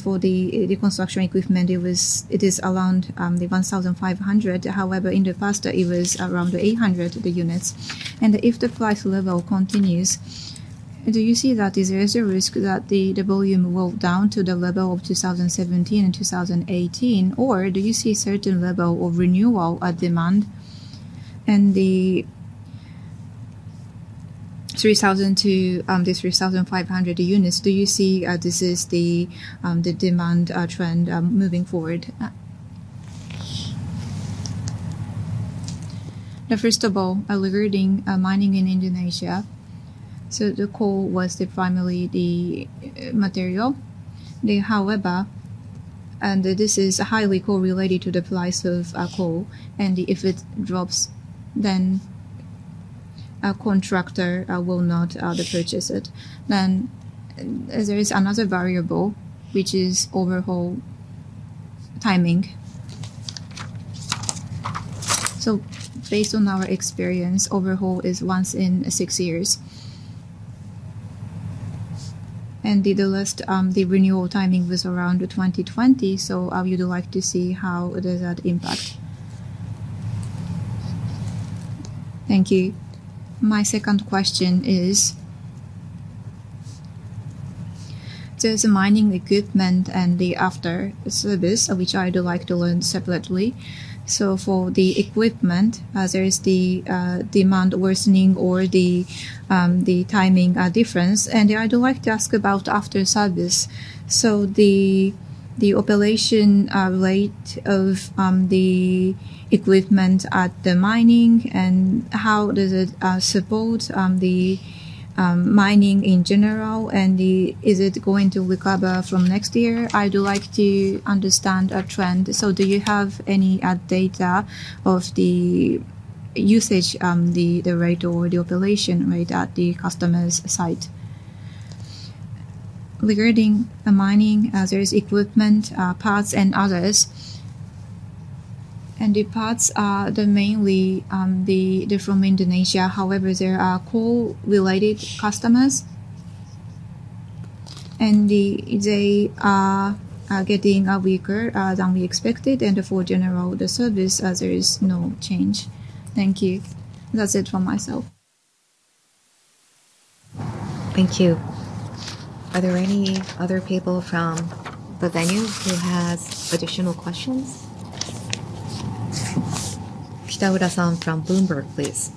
For the construction equipment, it is around 1,500. However, in the past, it was around 800 units. If the price level continues, do you see that there is a risk that the volume will go down to the level of 2017 and 2018? Do you see a certain level of renewal demand? The 3,000-3,500 units, do you see this is the demand trend moving forward? First of all, regarding mining in Indonesia, the coal was primarily the material. This is highly correlated to the price of coal. If it drops, a contractor will not purchase it. There is another variable, which is overhaul timing. Based on our experience, overhaul is once in six years. The last renewal timing was around 2020. You'd like to see how does that impact. Thank you. My second question is, there's a mining equipment and the after service, which I'd like to learn separately. For the equipment, there is the demand worsening or the timing difference. I'd like to ask about after service. The operation rate of the equipment at the mining, and how does it support the mining in general? Is it going to recover from next year? I'd like to understand a trend. Do you have any data of the usage, the rate, or the operation rate at the customer's site? Regarding mining, there is equipment, parts, and others. The parts are mainly from Indonesia. There are coal-related customers, and they are getting weaker than we expected. For general service, there is no change. Thank you. That's it for myself. Thank you. Are there any other people from the venue who have additional questions? Kitaura-san from Bloomberg, please.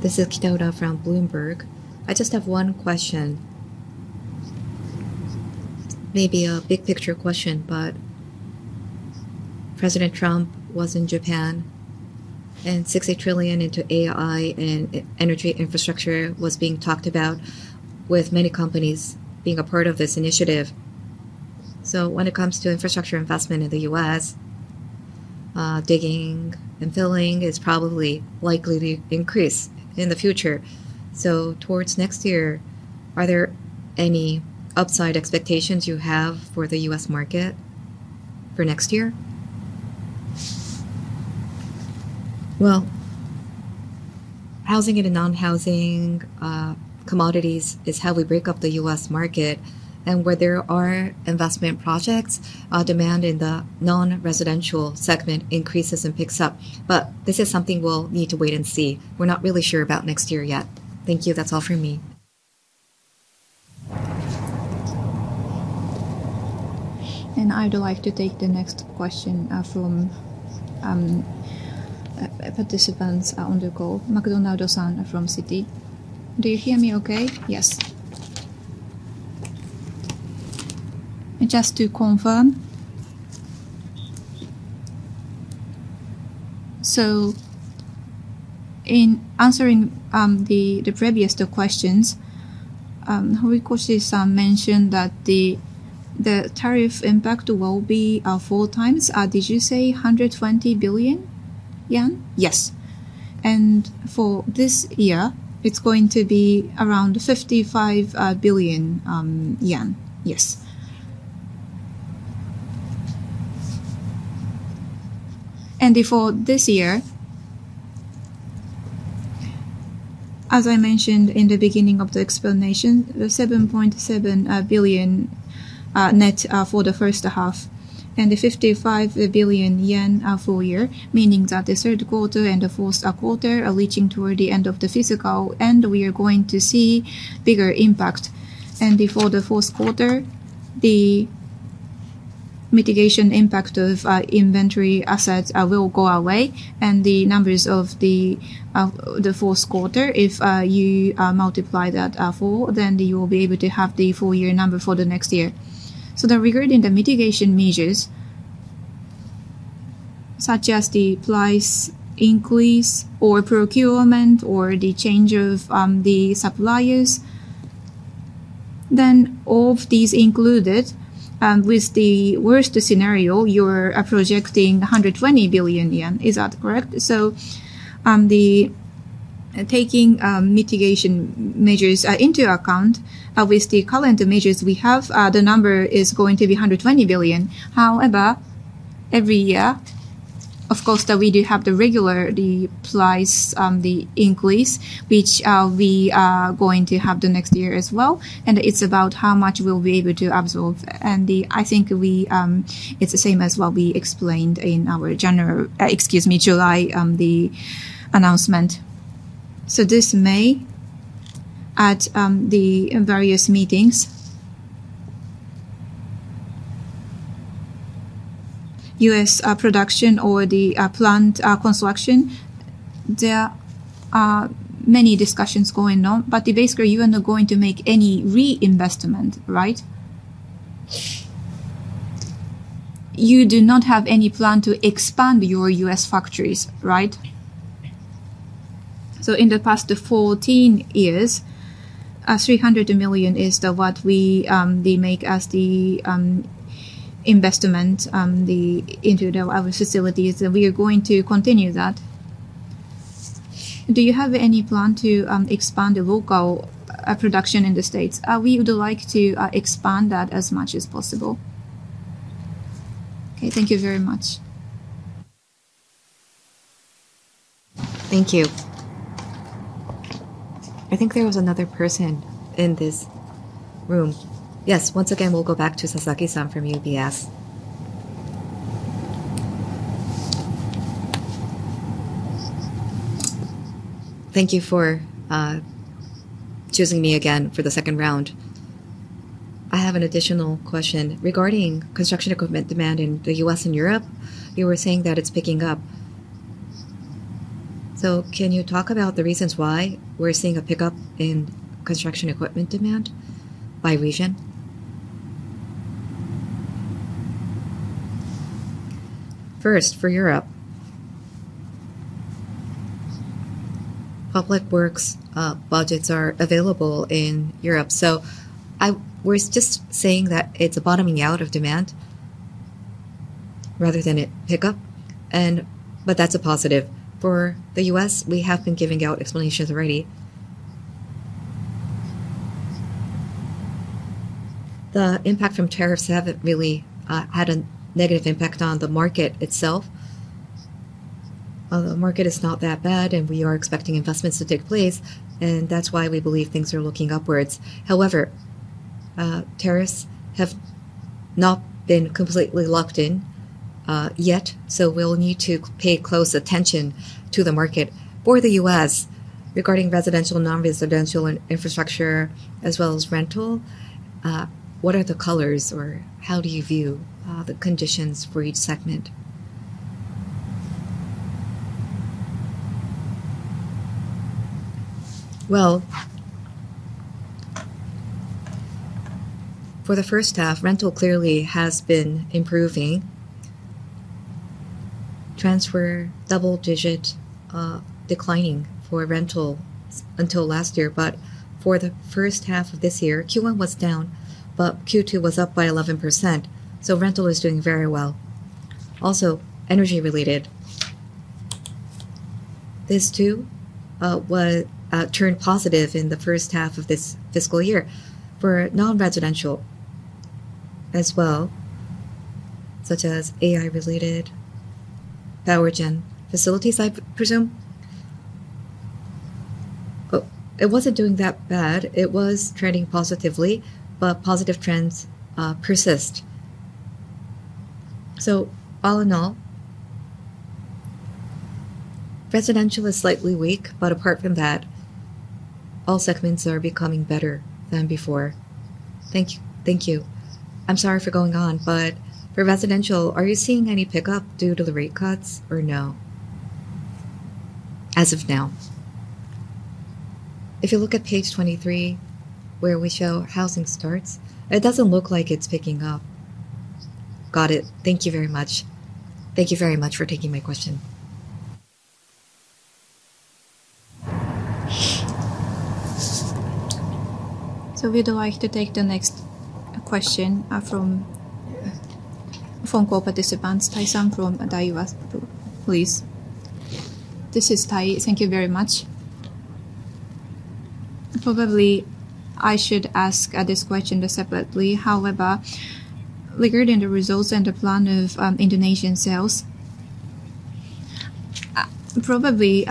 This is Kitaura from Bloomberg. I just have one question. Maybe a big picture question, but President Trump was in Japan, and $60 trillion into AI and energy infrastructure was being talked about, with many companies being a part of this initiative. When it comes to infrastructure investment in the U.S., digging and filling is probably likely to increase in the future. Towards next year, are there any upside expectations you have for the U.S. market for next year? Housing and non-housing commodities is how we break up the U.S. market. Where there are investment projects, demand in the non-residential segment increases and picks up. This is something we'll need to wait and see. We're not really sure about next year yet. Thank you. That's all for me. I would like to take the next question from participants on the call. McDonald Hasan from Sydney. Do you hear me okay? Yes. Just to confirm, in answering the previous questions, Horikoshi mentioned that the tariff impact will be four times. Did you say 120 billion yen? Yes. For this year, it's going to be around 55 billion yen. Yes. For this year, as I mentioned in the beginning of the explanation, the 7.7 billion net for the first half and the 55 billion yen full year, meaning that the third quarter and the fourth quarter are reaching toward the end of the fiscal, and we are going to see bigger impact. For the fourth quarter, the mitigation impact of inventory assets will go away. The numbers of the fourth quarter, if you multiply that by four, then you will be able to have the full year number for the next year. Regarding the mitigation measures, such as the price increase or procurement or the change of the suppliers, all of these are included, and with the worst scenario, you are projecting 120 billion yen. Is that correct? Taking mitigation measures into account with the current measures we have, the number is going to be 120 billion. However, every year, of course, we do have the regular price increase, which we are going to have next year as well. It's about how much we'll be able to absorb, and I think it's the same as what we explained in our July announcement. This May at the various meetings, U.S. production or the plant construction, there are many discussions going on. Basically, you are not going to make any reinvestment, right? You do not have any plan to expand your U.S. factories, right? In the past 14 years, 300 million is what we make as the investment into our facilities, and we are going to continue that. Do you have any plan to expand the local production in the States? We would like to expand that as much as possible. Okay. Thank you very much. Thank you. I think there was another person in this room. Yes. Once again, we'll go back to Sasaki-san from UBS. Thank you for choosing me again for the second round. I have an additional question regarding construction equipment demand in the U.S. and Europe. You were saying that it's picking up. Can you talk about the reasons why we're seeing a pickup in construction equipment demand by region? First, for Europe, public works budgets are available in Europe. We're just saying that it's a bottoming out of demand rather than a pickup, but that's a positive. For the U.S., we have been giving out explanations already. The impact from tariffs hasn't really had a negative impact on the market itself. The market is not that bad, and we are expecting investments to take place, and that's why we believe things are looking upwards. However, tariffs have not been completely locked in yet, so we'll need to pay close attention to the market. For the U.S., regarding residential, non-residential infrastructure, as well as rental, what are the colors, or how do you view the conditions for each segment? For the first half, rental clearly has been improving. There was double-digit declining for rental until last year, but for the first half of this year, Q1 was down, but Q2 was up by 11%. Rental is doing very well. Also, energy-related, this too turned positive in the first half of this fiscal year. For non-residential as well, such as AI-related, power gen facilities, I presume. It wasn't doing that bad. It was trending positively, but positive trends persist. All in all, residential is slightly weak, but apart from that, all segments are becoming better than before. Thank you. I'm sorry for going on, but for residential, are you seeing any pickup due to the rate cuts or no as of now? If you look at page 23, where we show housing starts, it doesn't look like it's picking up. Got it. Thank you very much. Thank you very much for taking my question. We'd like to take the next question from phone call participants, Tai-san from Daiwa, please. This is Tai. Thank you very much. Probably, I should ask this question separately. However, regarding the results and the plan of Indonesian sales, probably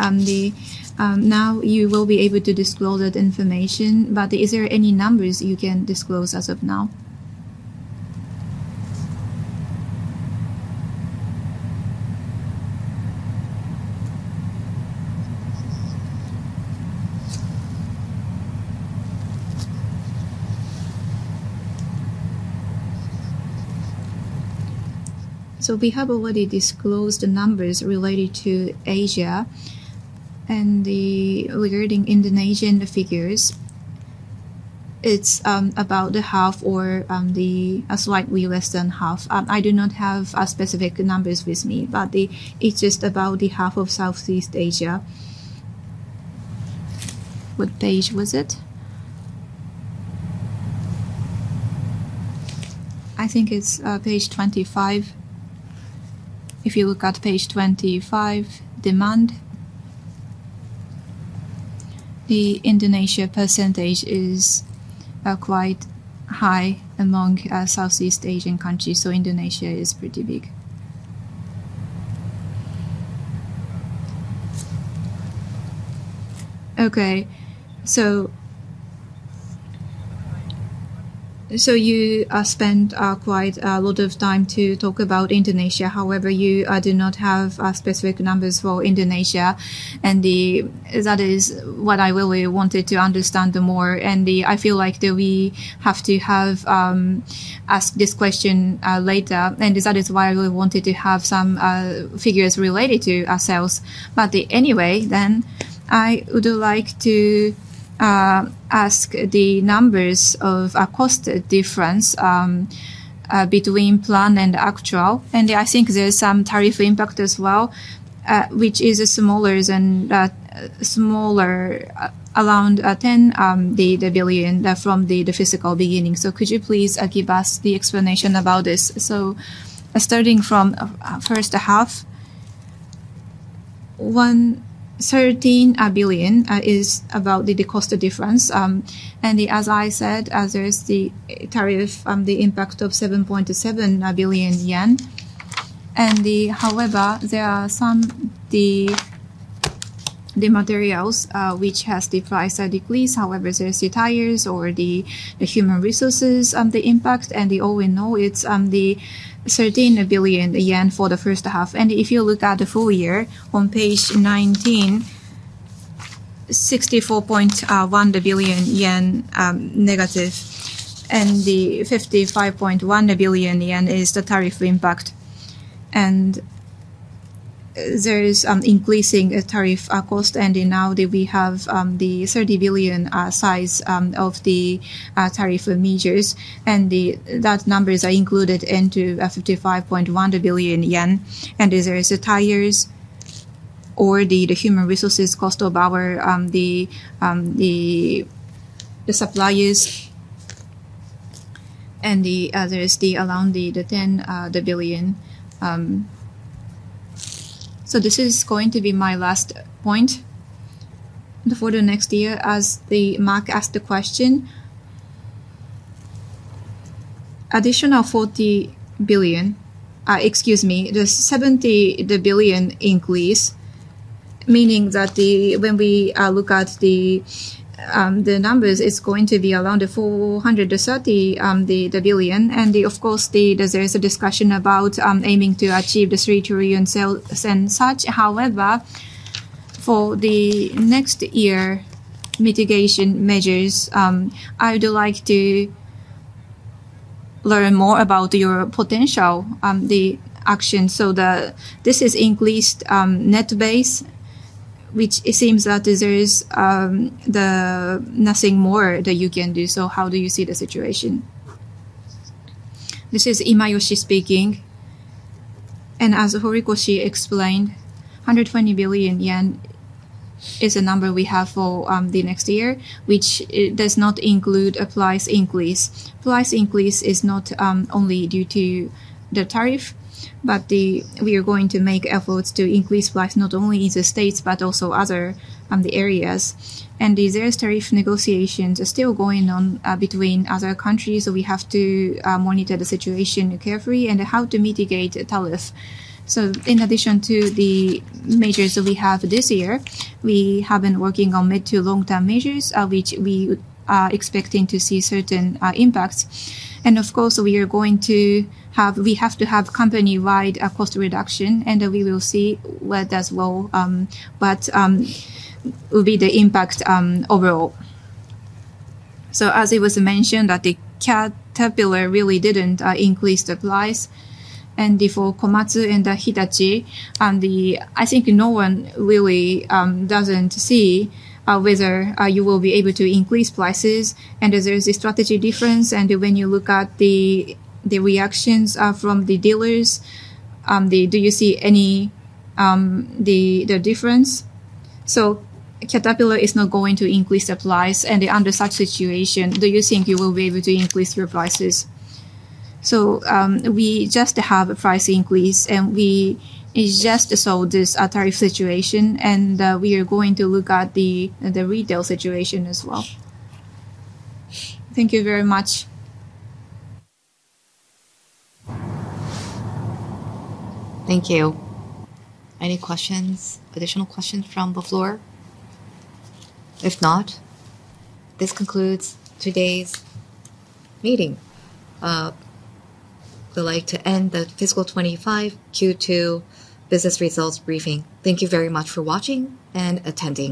now you will be able to disclose that information, but is there any numbers you can disclose as of now? We have already disclosed the numbers related to Asia, and regarding Indonesian figures, it's about half or slightly less than half. I do not have specific numbers with me, but it's just about half of Southeast Asia. What page was it? I think it's page 25. If you look at page 25, demand, the Indonesia percentage is quite high among Southeast Asian countries. Indonesia is pretty big. You spent quite a lot of time to talk about Indonesia. However, you do not have specific numbers for Indonesia, and that is what I really wanted to understand more. I feel like we have to ask this question later, and that is why we wanted to have some figures related to ourselves. Anyway, I would like to ask the numbers of a cost difference between plan and actual. I think there's some tariff impact as well, which is smaller than around 10 billion from the fiscal beginning. Could you please give us the explanation about this? Starting from the first half, 13 billion is about the cost difference. As I said, there's the tariff, the impact of 7.7 billion yen. However, there are some materials which have the price decrease. However, there's the tires or the human resources impact. All we know is the 13 billion yen for the first half. If you look at the full year, on page 19, 64.1 billion yen negative, and the 55.1 billion yen is the tariff impact. There is an increasing tariff cost. Now we have the 30 billion size of the tariff measures, and that numbers are included into 55.1 billion yen. There's the tires or the human resources cost of our suppliers. There's around the JPY 10 billion. This is going to be my last point for the next year, as the mark asked the question. Additional 40 billion, excuse me, the 70 billion increase, meaning that when we look at the numbers, it's going to be around 430 billion. Of course, there's a discussion about aiming to achieve the 3 trillion sales and such. However, for the next year mitigation measures, I would like to learn more about your potential action so that this is increased net base, which seems that there's nothing more that you can do. How do you see the situation? This is Imayoshi speaking. As Horikoshi explained, 120 billion yen is a number we have for the next year, which does not include a price increase. Price increase is not only due to the tariff, but we are going to make efforts to increase price not only in the U.S., but also other areas. There are tariff negotiations still going on between other countries. We have to monitor the situation carefully and how to mitigate the tariff. In addition to the measures that we have this year, we have been working on mid to long-term measures, which we are expecting to see certain impacts. Of course, we are going to have, we have to have company-wide cost reduction, and we will see what that will be the impact overall. As it was mentioned, Caterpillar really did not increase the price. For Komatsu and Hitachi, I think no one really sees whether you will be able to increase prices. There is a strategy difference. When you look at the reactions from the dealers, do you see any difference? Caterpillar is not going to increase the price. Under such situation, do you think you will be able to increase your prices? We just have a price increase, and we just saw this tariff situation. We are going to look at the retail situation as well. Thank you very much. Thank you. Any questions, additional questions from the floor? If not, this concludes today's meeting. We'd like to end fiscal year 2025 Q2 business results briefing. Thank you very much for watching and attending.